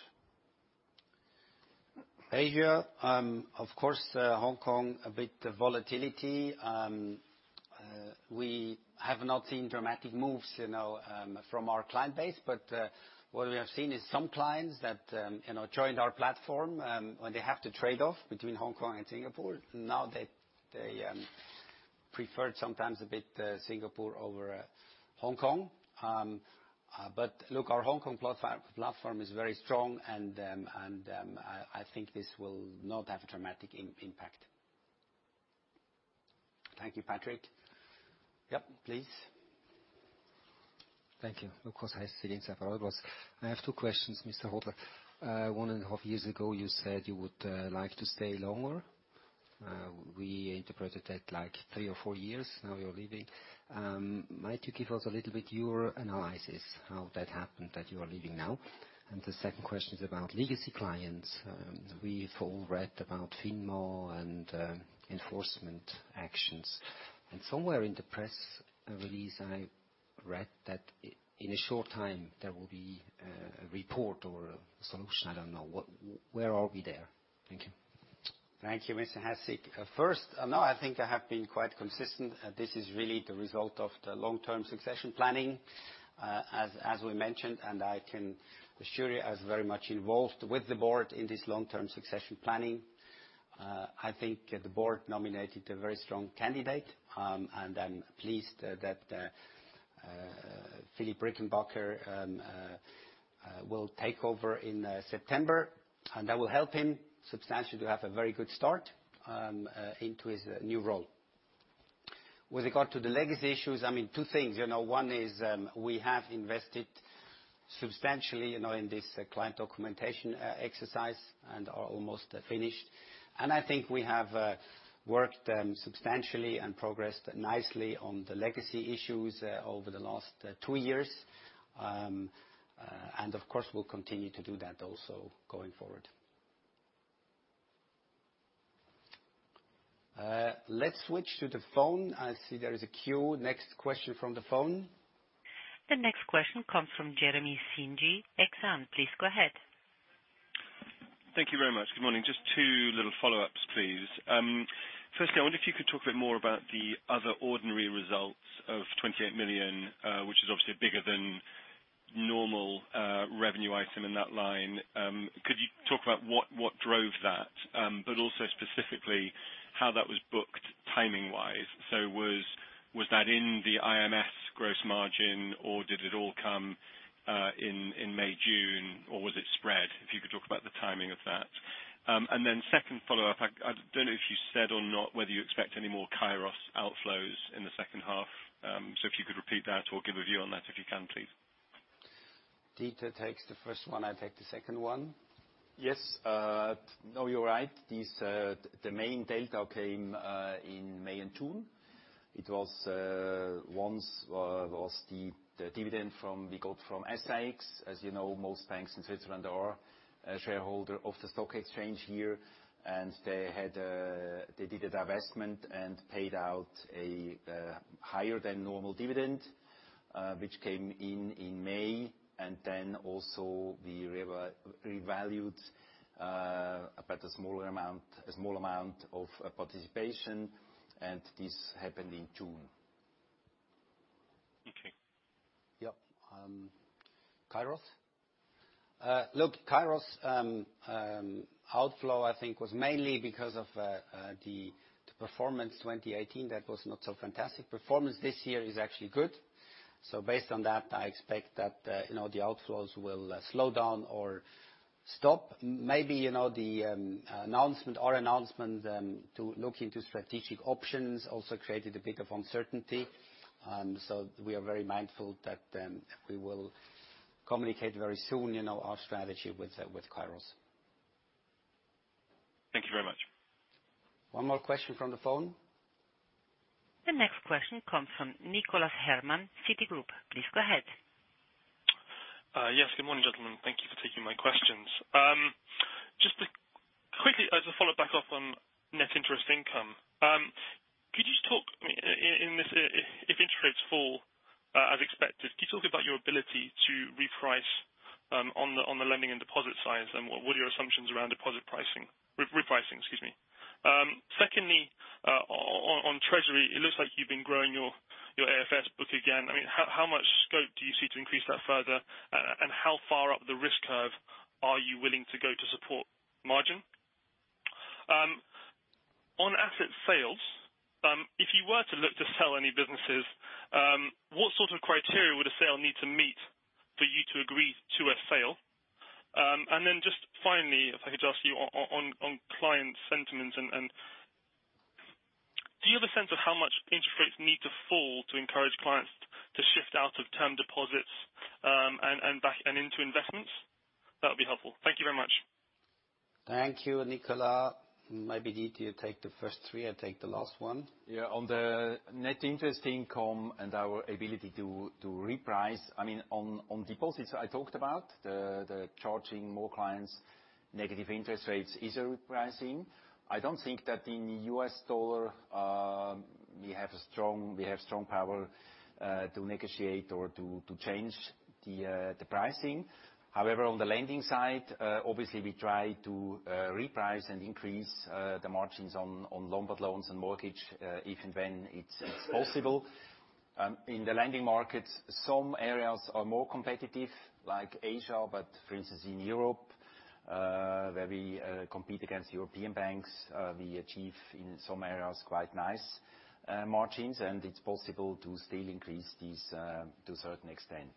Hey, here. Of course, Hong Kong, a bit volatility. We have not seen dramatic moves from our client base, but what we have seen is some clients that joined our platform, when they have to trade off between Hong Kong and Singapore. Now they prefer sometimes a bit Singapore over Hong Kong. Look, our Hong Kong platform is very strong, and I think this will not have a dramatic impact. Thank you, Patrick. Yep, please. Thank you. Of course. I have two questions, Mr. Hodler. One and a half years ago, you said you would like to stay longer. We interpreted that like three or four years, now you're leaving. Might you give us a little bit your analysis, how that happened, that you are leaving now? The second question is about legacy clients. We've all read about FINMA and enforcement actions. Somewhere in the press release, I read that in a short time, there will be a report or a solution, I don't know. Where are we there? Thank you. Thank you, Mr. Hasseg. First, no, I think I have been quite consistent. This is really the result of the long-term succession planning, as we mentioned. The jury is very much involved with the board in this long-term succession planning. I think the board nominated a very strong candidate, and I'm pleased that Philipp Rickenbacher will take over in September, and that will help him substantially to have a very good start into his new role. With regard to the legacy issues, two things. One is we have invested substantially in this client documentation exercise and are almost finished. I think we have worked substantially and progressed nicely on the legacy issues over the last two years. Of course, we'll continue to do that also going forward. Let's switch to the phone. I see there is a queue. Next question from the phone. The next question comes from Jeremy Sigee, Exane. Please go ahead. Thank you very much. Good morning. Just two little follow-ups, please. Firstly, I wonder if you could talk a bit more about the other ordinary results of 28 million, which is obviously a bigger than normal revenue item in that line. Could you talk about what drove that? Also specifically how that was booked timing-wise. Was that in the IMS gross margin or did it all come in May, June, or was it spread? If you could talk about the timing of that. Second follow-up, I don't know if you said or not whether you expect any more Kairos outflows in the second half. If you could repeat that or give a view on that, if you can, please. Dieter takes the first one, I take the second one. Yes. No, you're right. The main data came in May and June. It was the dividend we got from SIX. As you know, most banks in Switzerland are a shareholder of the stock exchange here, and they did a divestment and paid out a higher than normal dividend, which came in in May. We revalued about a small amount of participation, and this happened in June. Okay. Yep. Kairos? Look, Kairos outflow, I think was mainly because of the performance 2018, that was not so fantastic. Performance this year is actually good. Based on that, I expect that the outflows will slow down or stop. Maybe our announcement to look into strategic options also created a bit of uncertainty. We are very mindful that we will communicate very soon, our strategy with Kairos. Thank you very much. One more question from the phone. The next question comes from Nicholas Herman, Citigroup. Please go ahead. Yes. Good morning, gentlemen. Thank you for taking my questions. Just quickly as a follow back up on net interest income. If interest rates fall as expected, could you talk about your ability to reprice on the lending and deposit sides, and what are your assumptions around deposit repricing? Secondly, on treasury, it looks like you've been growing your AFS book again. How much scope do you see to increase that further? How far up the risk curve are you willing to go to support margin? On asset sales, if you were to look to sell any businesses, what sort of criteria would a sale need to meet for you to agree to a sale? Just finally, if I could ask you on client sentiment. Do you have a sense of how much interest rates need to fall to encourage clients to shift out of term deposits and into investments? That would be helpful. Thank you very much. Thank you, Nicola. Maybe you take the first three, I'll take the last one. Yeah. On the net interest income and our ability to reprice. On deposits, I talked about the charging more clients negative interest rates is a repricing. I don't think that in U.S. dollar, we have strong power to negotiate or to change the pricing. However, on the lending side, obviously we try to reprice and increase the margins on Lombard loans and mortgage, if and when it's possible. In the lending markets, some areas are more competitive, like Asia. For instance, in Europe, where we compete against European banks, we achieve in some areas quite nice margins. It's possible to still increase these to a certain extent.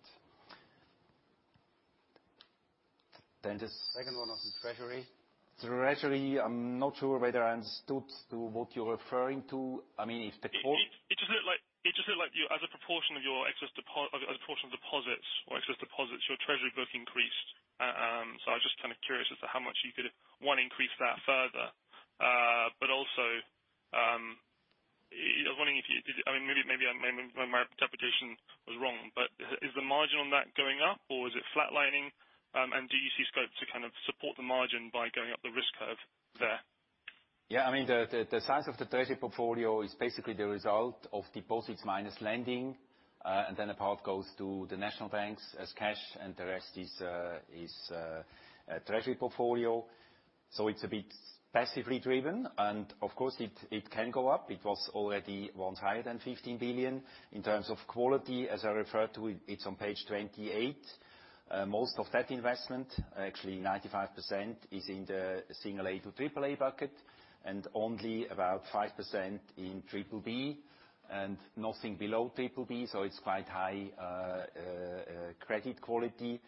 The second one was treasury. Treasury, I'm not sure whether I understood to what you're referring to. It just looked like, as a proportion of your excess deposits, your treasury book increased. I was just curious as to how much you could, one, increase that further. Also, I was wondering if, maybe my interpretation was wrong, but is the margin on that going up or is it flatlining? Do you see scope to support the margin by going up the risk curve there? The size of the treasury portfolio is basically the result of deposits minus lending. Then a part goes to the national banks as cash, and the rest is treasury portfolio. It's a bit passively driven. Of course, it can go up. It was already once higher than 15 billion. In terms of quality, as I referred to, it's on page 28. Most of that investment, actually 95%, is in the single A to triple A bucket, and only about 5% in triple B, and nothing below triple B, it's quite high credit quality.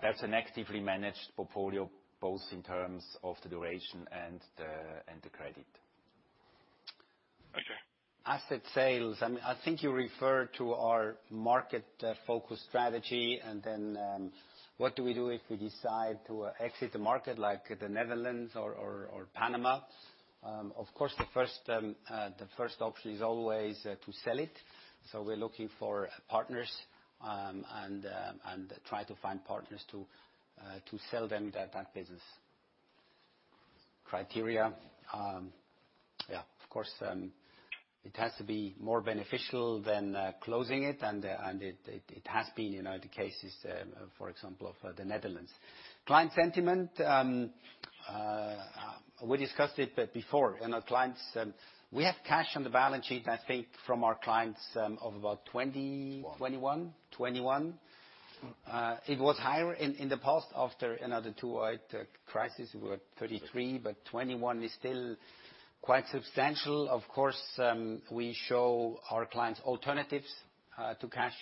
That's an actively managed portfolio, both in terms of the duration and the credit. Okay. Asset sales. I think you refer to our market-focused strategy, and then what do we do if we decide to exit the market, like the Netherlands or Panama? Of course, the first option is always to sell it. We're looking for partners, and try to find partners to sell them that business. Criteria. Of course, it has to be more beneficial than closing it, and it has been in the cases, for example, of the Netherlands. Client sentiment. We discussed it before. We have cash on the balance sheet, I think, from our clients of about 20- 21 21. It was higher in the past. After another two-wide crisis, we were 33. 21 is still quite substantial. Of course, we show our clients alternatives to cash.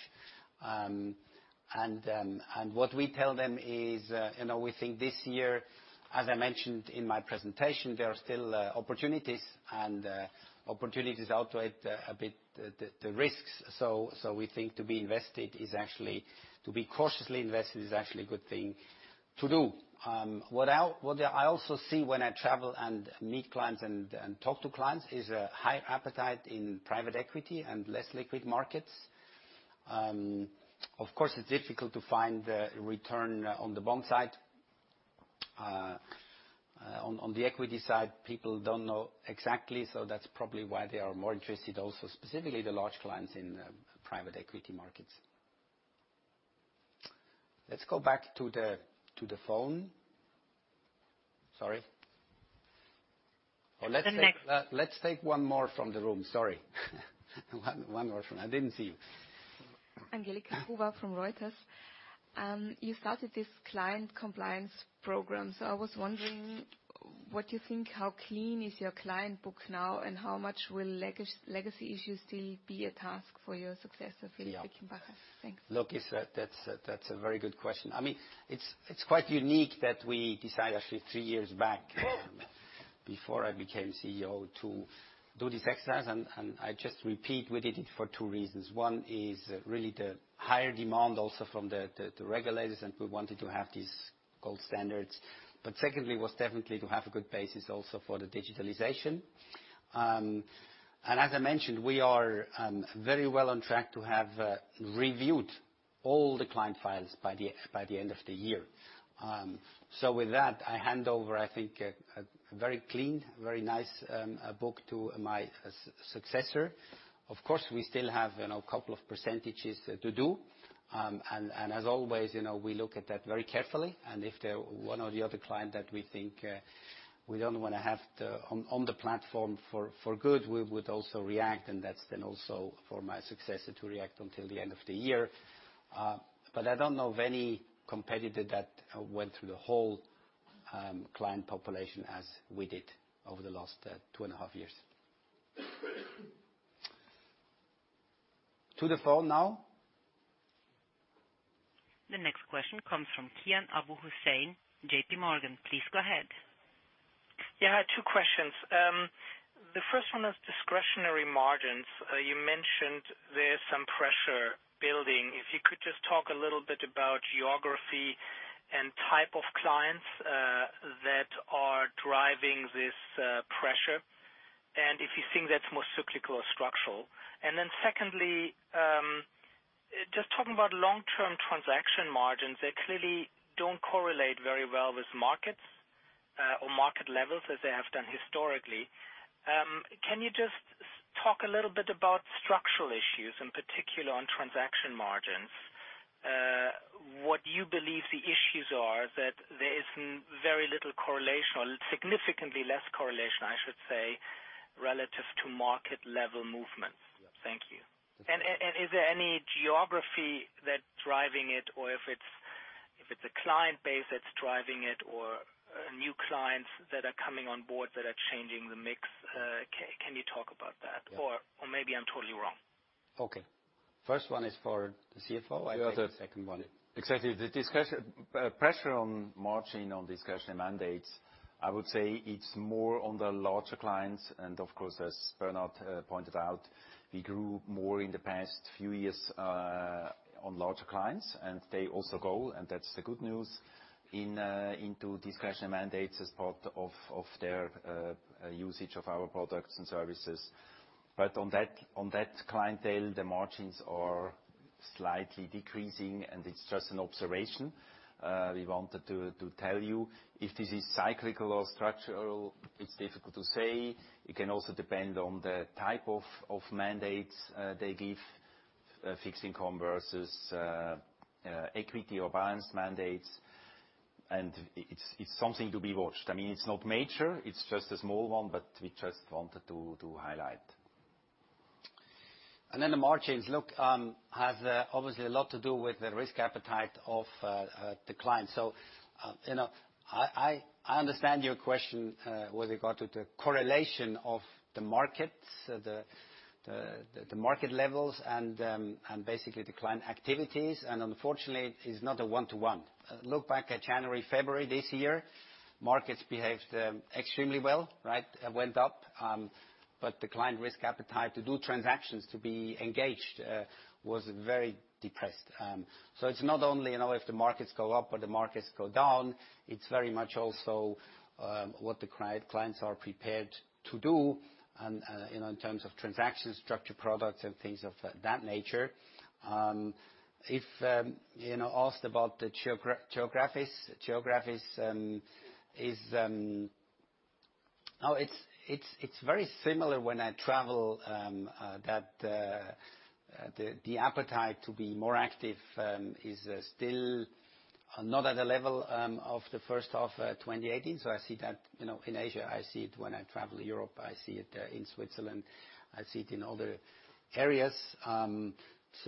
What we tell them is, we think this year, as I mentioned in my presentation, there are still opportunities and opportunities outweigh a bit the risks. We think to be cautiously invested is actually a good thing to do. What I also see when I travel and meet clients and talk to clients is a high appetite in private equity and less liquid markets. Of course, it's difficult to find the return on the bond side. On the equity side, people don't know exactly, so that's probably why they are more interested also, specifically the large clients in private equity markets. Let's go back to the phone. Sorry. Let's take one more from the room. Sorry. One more from I didn't see you. Angelika Gruber from Reuters. You started this client compliance program. I was wondering what you think, how clean is your client book now, and how much will legacy issues still be a task for your successor, Philipp Rickenbacher? Thanks. Look, that's a very good question. It's quite unique that we decided actually three years back, before I became CEO, to do this exercise, and I just repeat, we did it for two reasons. One is really the higher demand also from the regulators, and we wanted to have these gold standards. Secondly, was definitely to have a good basis also for the digitalization. As I mentioned, we are very well on track to have reviewed all the client files by the end of the year. With that, I hand over, I think, a very clean, very nice book to my successor. Of course, we still have a couple of percentages to do. As always, we look at that very carefully, and if there are one or the other client that we think we don't want to have on the platform for good, we would also react, and that is then also for my successor to react until the end of the year. I don't know of any competitor that went through the whole client population as we did over the last two and a half years. To the phone now. The next question comes from Kian Abouhossein, JPMorgan. Please go ahead. Yeah, two questions. The first one is discretionary margins. You mentioned there's some pressure building. If you could just talk a little bit about geography and type of clients that are driving this pressure, and if you think that's more cyclical or structural. Secondly, just talking about long-term transaction margins, they clearly don't correlate very well with markets or market levels as they have done historically. Can you just talk a little bit about structural issues, in particular on transaction margins? What you believe the issues are that there is very little correlation, or significantly less correlation, I should say, relative to market level movements. Yeah. Thank you. Is there any geography that's driving it, or if it's a client base that's driving it, or new clients that are coming on board that are changing the mix? Can you talk about that? Yeah. Maybe I'm totally wrong. Okay. First one is for the CFO. I take the second one. Exactly. The pressure on margin on discretionary mandates, I would say it's more on the larger clients. Of course, as Bernhard pointed out, we grew more in the past few years on larger clients. They also go, and that's the good news, into discretionary mandates as part of their usage of our products and services. On that clientele, the margins are slightly decreasing, and it's just an observation we wanted to tell you. If this is cyclical or structural, it's difficult to say. It can also depend on the type of mandates they give, fixed income versus equity or balanced mandates. It's something to be watched. It's not major. It's just a small one, but we just wanted to highlight. The margins, look, have obviously a lot to do with the risk appetite of the client. I understand your question, with regard to the correlation of the markets, the market levels and basically the client activities. Unfortunately, it is not a one-to-one. Look back at January, February this year. Markets behaved extremely well. Went up. The client risk appetite to do transactions, to be engaged, was very depressed. It's not only if the markets go up or the markets go down, it's very much also what the clients are prepared to do in terms of transaction structure products and things of that nature. If asked about the geographies. It's very similar when I travel, that the appetite to be more active is still not at a level of the first half 2018. I see that in Asia. I see it when I travel to Europe. I see it in Switzerland. I see it in other areas. It's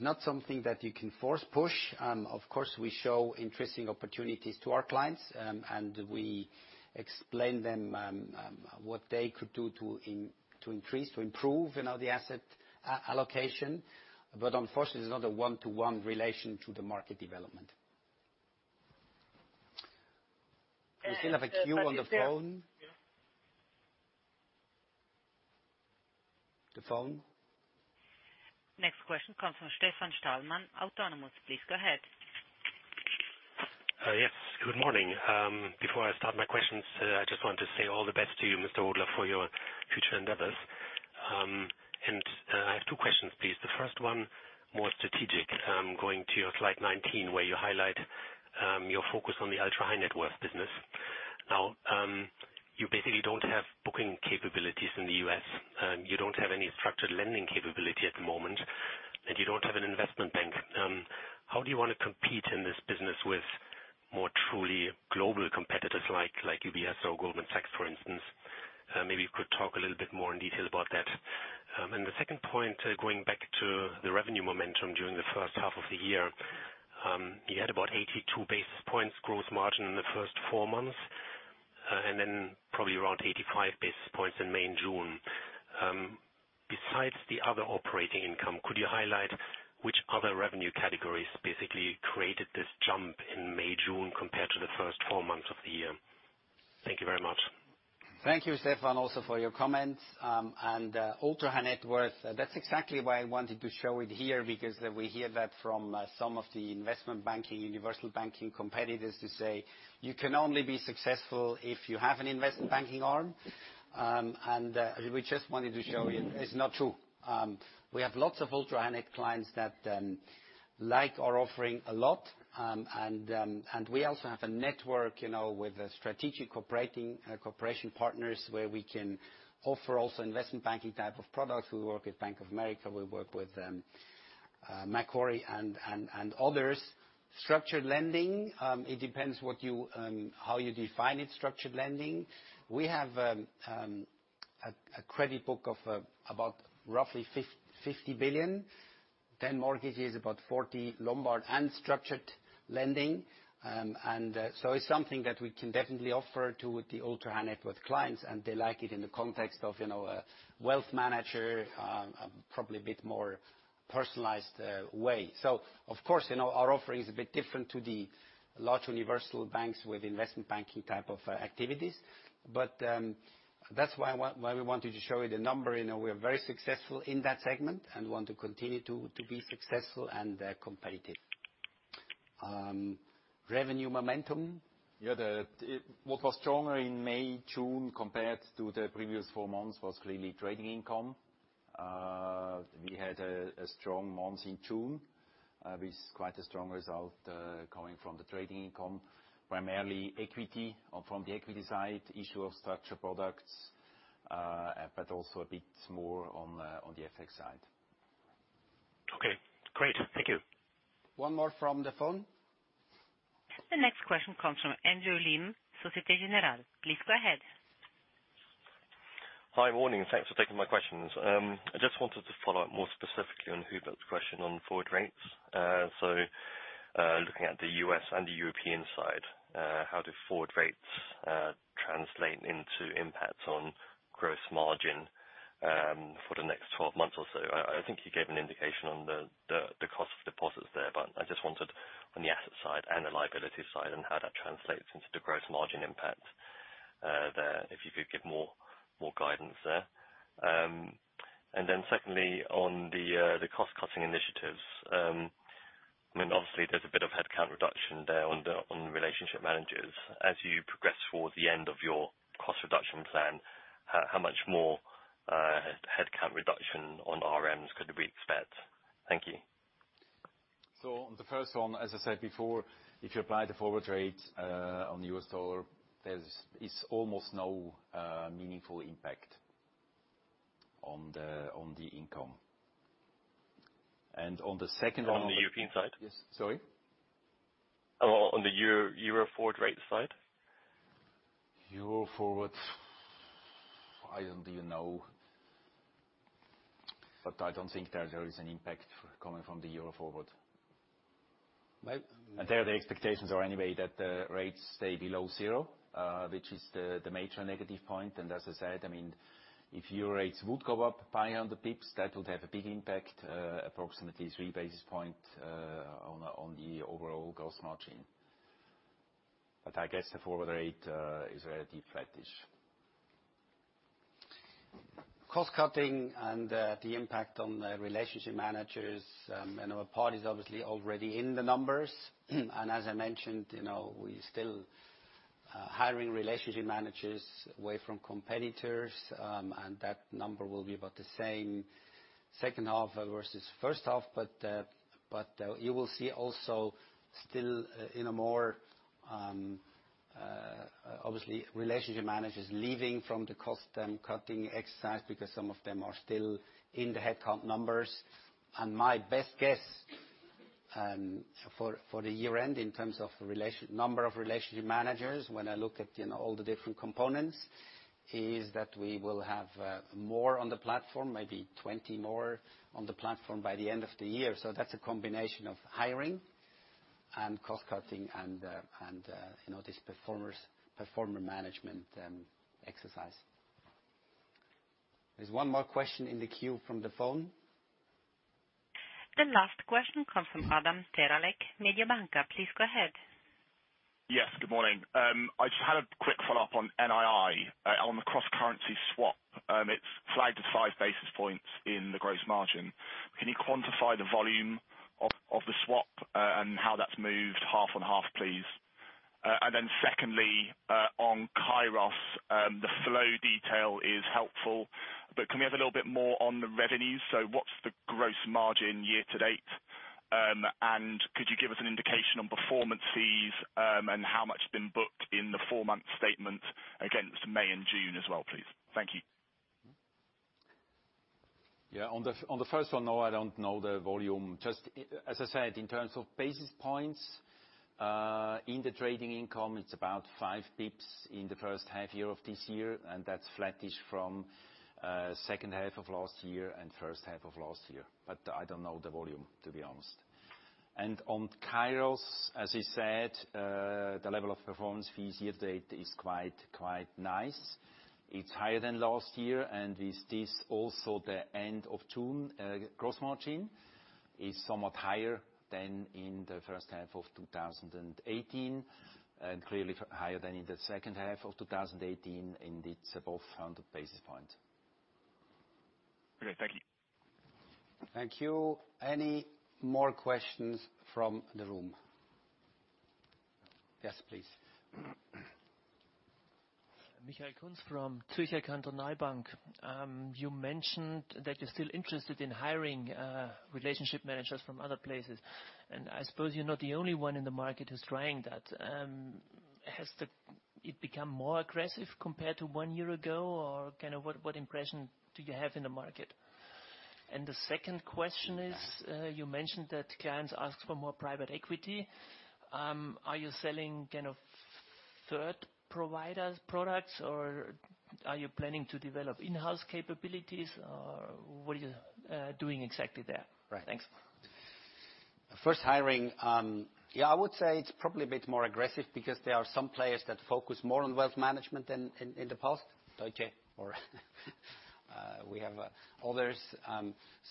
not something that you can force, push. Of course, we show interesting opportunities to our clients, and we explain them what they could do to increase, to improve the asset allocation. Unfortunately, there's not a one-to-one relation to the market development. We still have a queue on the phone. Next question comes from Stefan Stalmann, Autonomous. Please go ahead. Yes, good morning. Before I start my questions, I just want to say all the best to you, Mr. Hodler, for your future endeavors. I have two questions, please. The first one, more strategic, going to your slide 19, where you highlight your focus on the ultra-high-net-worth business. Now, you basically don't have booking capabilities in the U.S. You don't have any structured lending capability at the moment, and you don't have an investment bank. How do you want to compete in this business with more truly global competitors like UBS or Goldman Sachs, for instance? Maybe you could talk a little bit more in detail about that. The second point, going back to the revenue momentum during the first half of the year. You had about 82 basis points growth margin in the first four months, and then probably around 85 basis points in May and June. Besides the other operating income, could you highlight which other revenue categories basically created this jump in May, June, compared to the first four months of the year? Thank you very much. Thank you, Stefan, also for your comments. Ultra-high-net-worth, that's exactly why I wanted to show it here, because we hear that from some of the investment banking, universal banking competitors who say, "You can only be successful if you have an investment banking arm." We just wanted to show you it's not true. We have lots of ultra-high-net-worth clients that like our offering a lot. We also have a network with strategic cooperation partners where we can offer also investment banking type of products. We work with Bank of America. We work with Macquarie and others. Structured lending, it depends how you define it, structured lending. We have a credit book of about roughly 50 billion, 10 mortgages, about 40 Lombard and structured lending. It's something that we can definitely offer to the ultra-high-net-worth clients, and they like it in the context of a wealth manager, probably a bit more personalized way. Of course, our offering is a bit different to the large universal banks with investment banking type of activities. That's why we wanted to show you the number. We are very successful in that segment and want to continue to be successful and competitive. Revenue momentum. Yeah. What was stronger in May, June compared to the previous four months was clearly trading income. We had a strong month in June, with quite a strong result, coming from the trading income, primarily equity or from the equity side, issue of structure products, but also a bit more on the FX side. Okay, great. Thank you. One more from the phone. The next question comes from Andrew Lim, Societe Generale. Please go ahead. Hi. Morning. Thanks for taking my questions. I just wanted to follow up more specifically on Hubert's question on forward rates. Looking at the U.S. and the European side, how do forward rates translate into impacts on gross margin for the next 12 months or so? I think you gave an indication on the cost of deposits there, but I just wanted on the asset side and the liability side and how that translates into the gross margin impact, there, if you could give more guidance there. Secondly, on the cost-cutting initiatives. Obviously, there's a bit of headcount reduction there on relationship managers. As you progress toward the end of your cost reduction plan, how much more headcount reduction on RMs could be expected? Thank you. The first one, as I said before, if you apply the forward rates on U.S. dollar, there's almost no meaningful impact on the income. On the European side? Yes. Sorry? On the euro forward rate side. Euro forward, I don't even know, but I don't think there is an impact coming from the Euro forward. Well- There the expectations are anyway that the rates stay below zero, which is the major negative point. As I said, if Euro rates would go up 500 basis points, that would have a big impact, approximately three basis point, on the overall gross margin. I guess the forward rate is relatively flattish. Cost cutting and the impact on relationship managers, our part is obviously already in the numbers. As I mentioned, we still hiring relationship managers away from competitors, that number will be about the same second half versus first half. You will see also still obviously relationship managers leaving from the cost-cutting exercise because some of them are still in the headcount numbers. My best guess for the year-end in terms of number of relationship managers, when I look at all the different components, is that we will have more on the platform, maybe 20 more on the platform by the end of the year. That's a combination of hiring and cost cutting and this performer management exercise. There's one more question in the queue from the phone. The last question comes from Adam Terelak, Mediobanca. Please go ahead. Yes, good morning. I just had a quick follow-up on NII. On the cross-currency swap, it's flagged at five basis points in the gross margin. Can you quantify the volume of the swap, and how that's moved half and half, please? Secondly, on Kairos, the flow detail is helpful, but can we have a little bit more on the revenues? What's the gross margin year to date? Could you give us an indication on performance fees, and how much has been booked in the four-month statement against May and June as well, please? Thank you. Yeah. On the first one, no, I don't know the volume. Just as I said, in terms of basis points, in the trading income, it's about 5 basis points in the first half year of this year, and that's flattish from second half of last year and first half of last year. I don't know the volume, to be honest. On Kairos, as I said, the level of performance fees year to date is quite nice. It's higher than last year, and with this also the end of June gross margin is somewhat higher than in the first half of 2018, and clearly higher than in the second half of 2018, and it's above 100 basis points. Okay. Thank you. Thank you. Any more questions from the room? Yes, please. Michael Kunz from Zürcher Kantonalbank. You mentioned that you're still interested in hiring relationship managers from other places. I suppose you're not the only one in the market who's trying that. Has it become more aggressive compared to one year ago, or what impression do you have in the market? The second question is, you mentioned that clients ask for more private equity. Are you selling kind of third providers products, or are you planning to develop in-house capabilities, or what are you doing exactly there? Right. Thanks. First hiring, yeah, I would say it's probably a bit more aggressive because there are some players that focus more on wealth management than in the past, Deutsche, or we have others.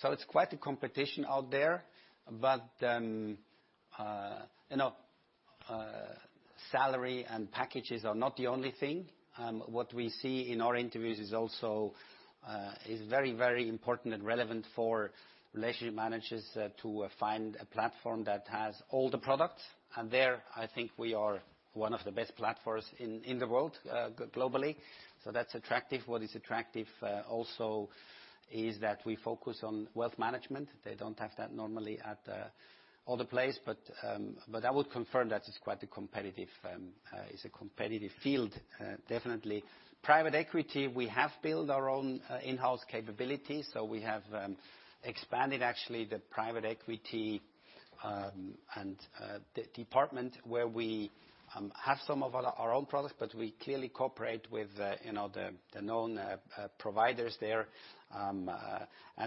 It's quite a competition out there. Salary and packages are not the only thing. What we see in our interviews is also very important and relevant for relationship managers to find a platform that has all the products. There, I think we are one of the best platforms in the world globally. That's attractive. What is attractive also is that we focus on wealth management. They don't have that normally at other place. I would confirm that it's a competitive field, definitely. Private equity, we have built our own in-house capabilities. We have expanded actually the private equity and the department where we have some of our own products, but we clearly cooperate with the known providers there.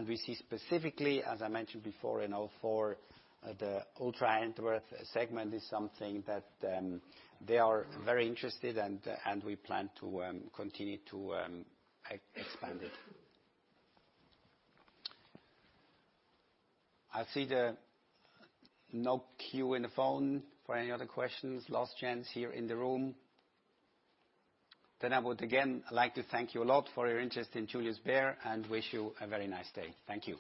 We see specifically, as I mentioned before, in all four, the ultra-high net worth segment is something that they are very interested, and we plan to continue to expand it. I see there no queue in the phone for any other questions. Last chance here in the room. I would again like to thank you a lot for your interest in Julius Bär and wish you a very nice day. Thank you.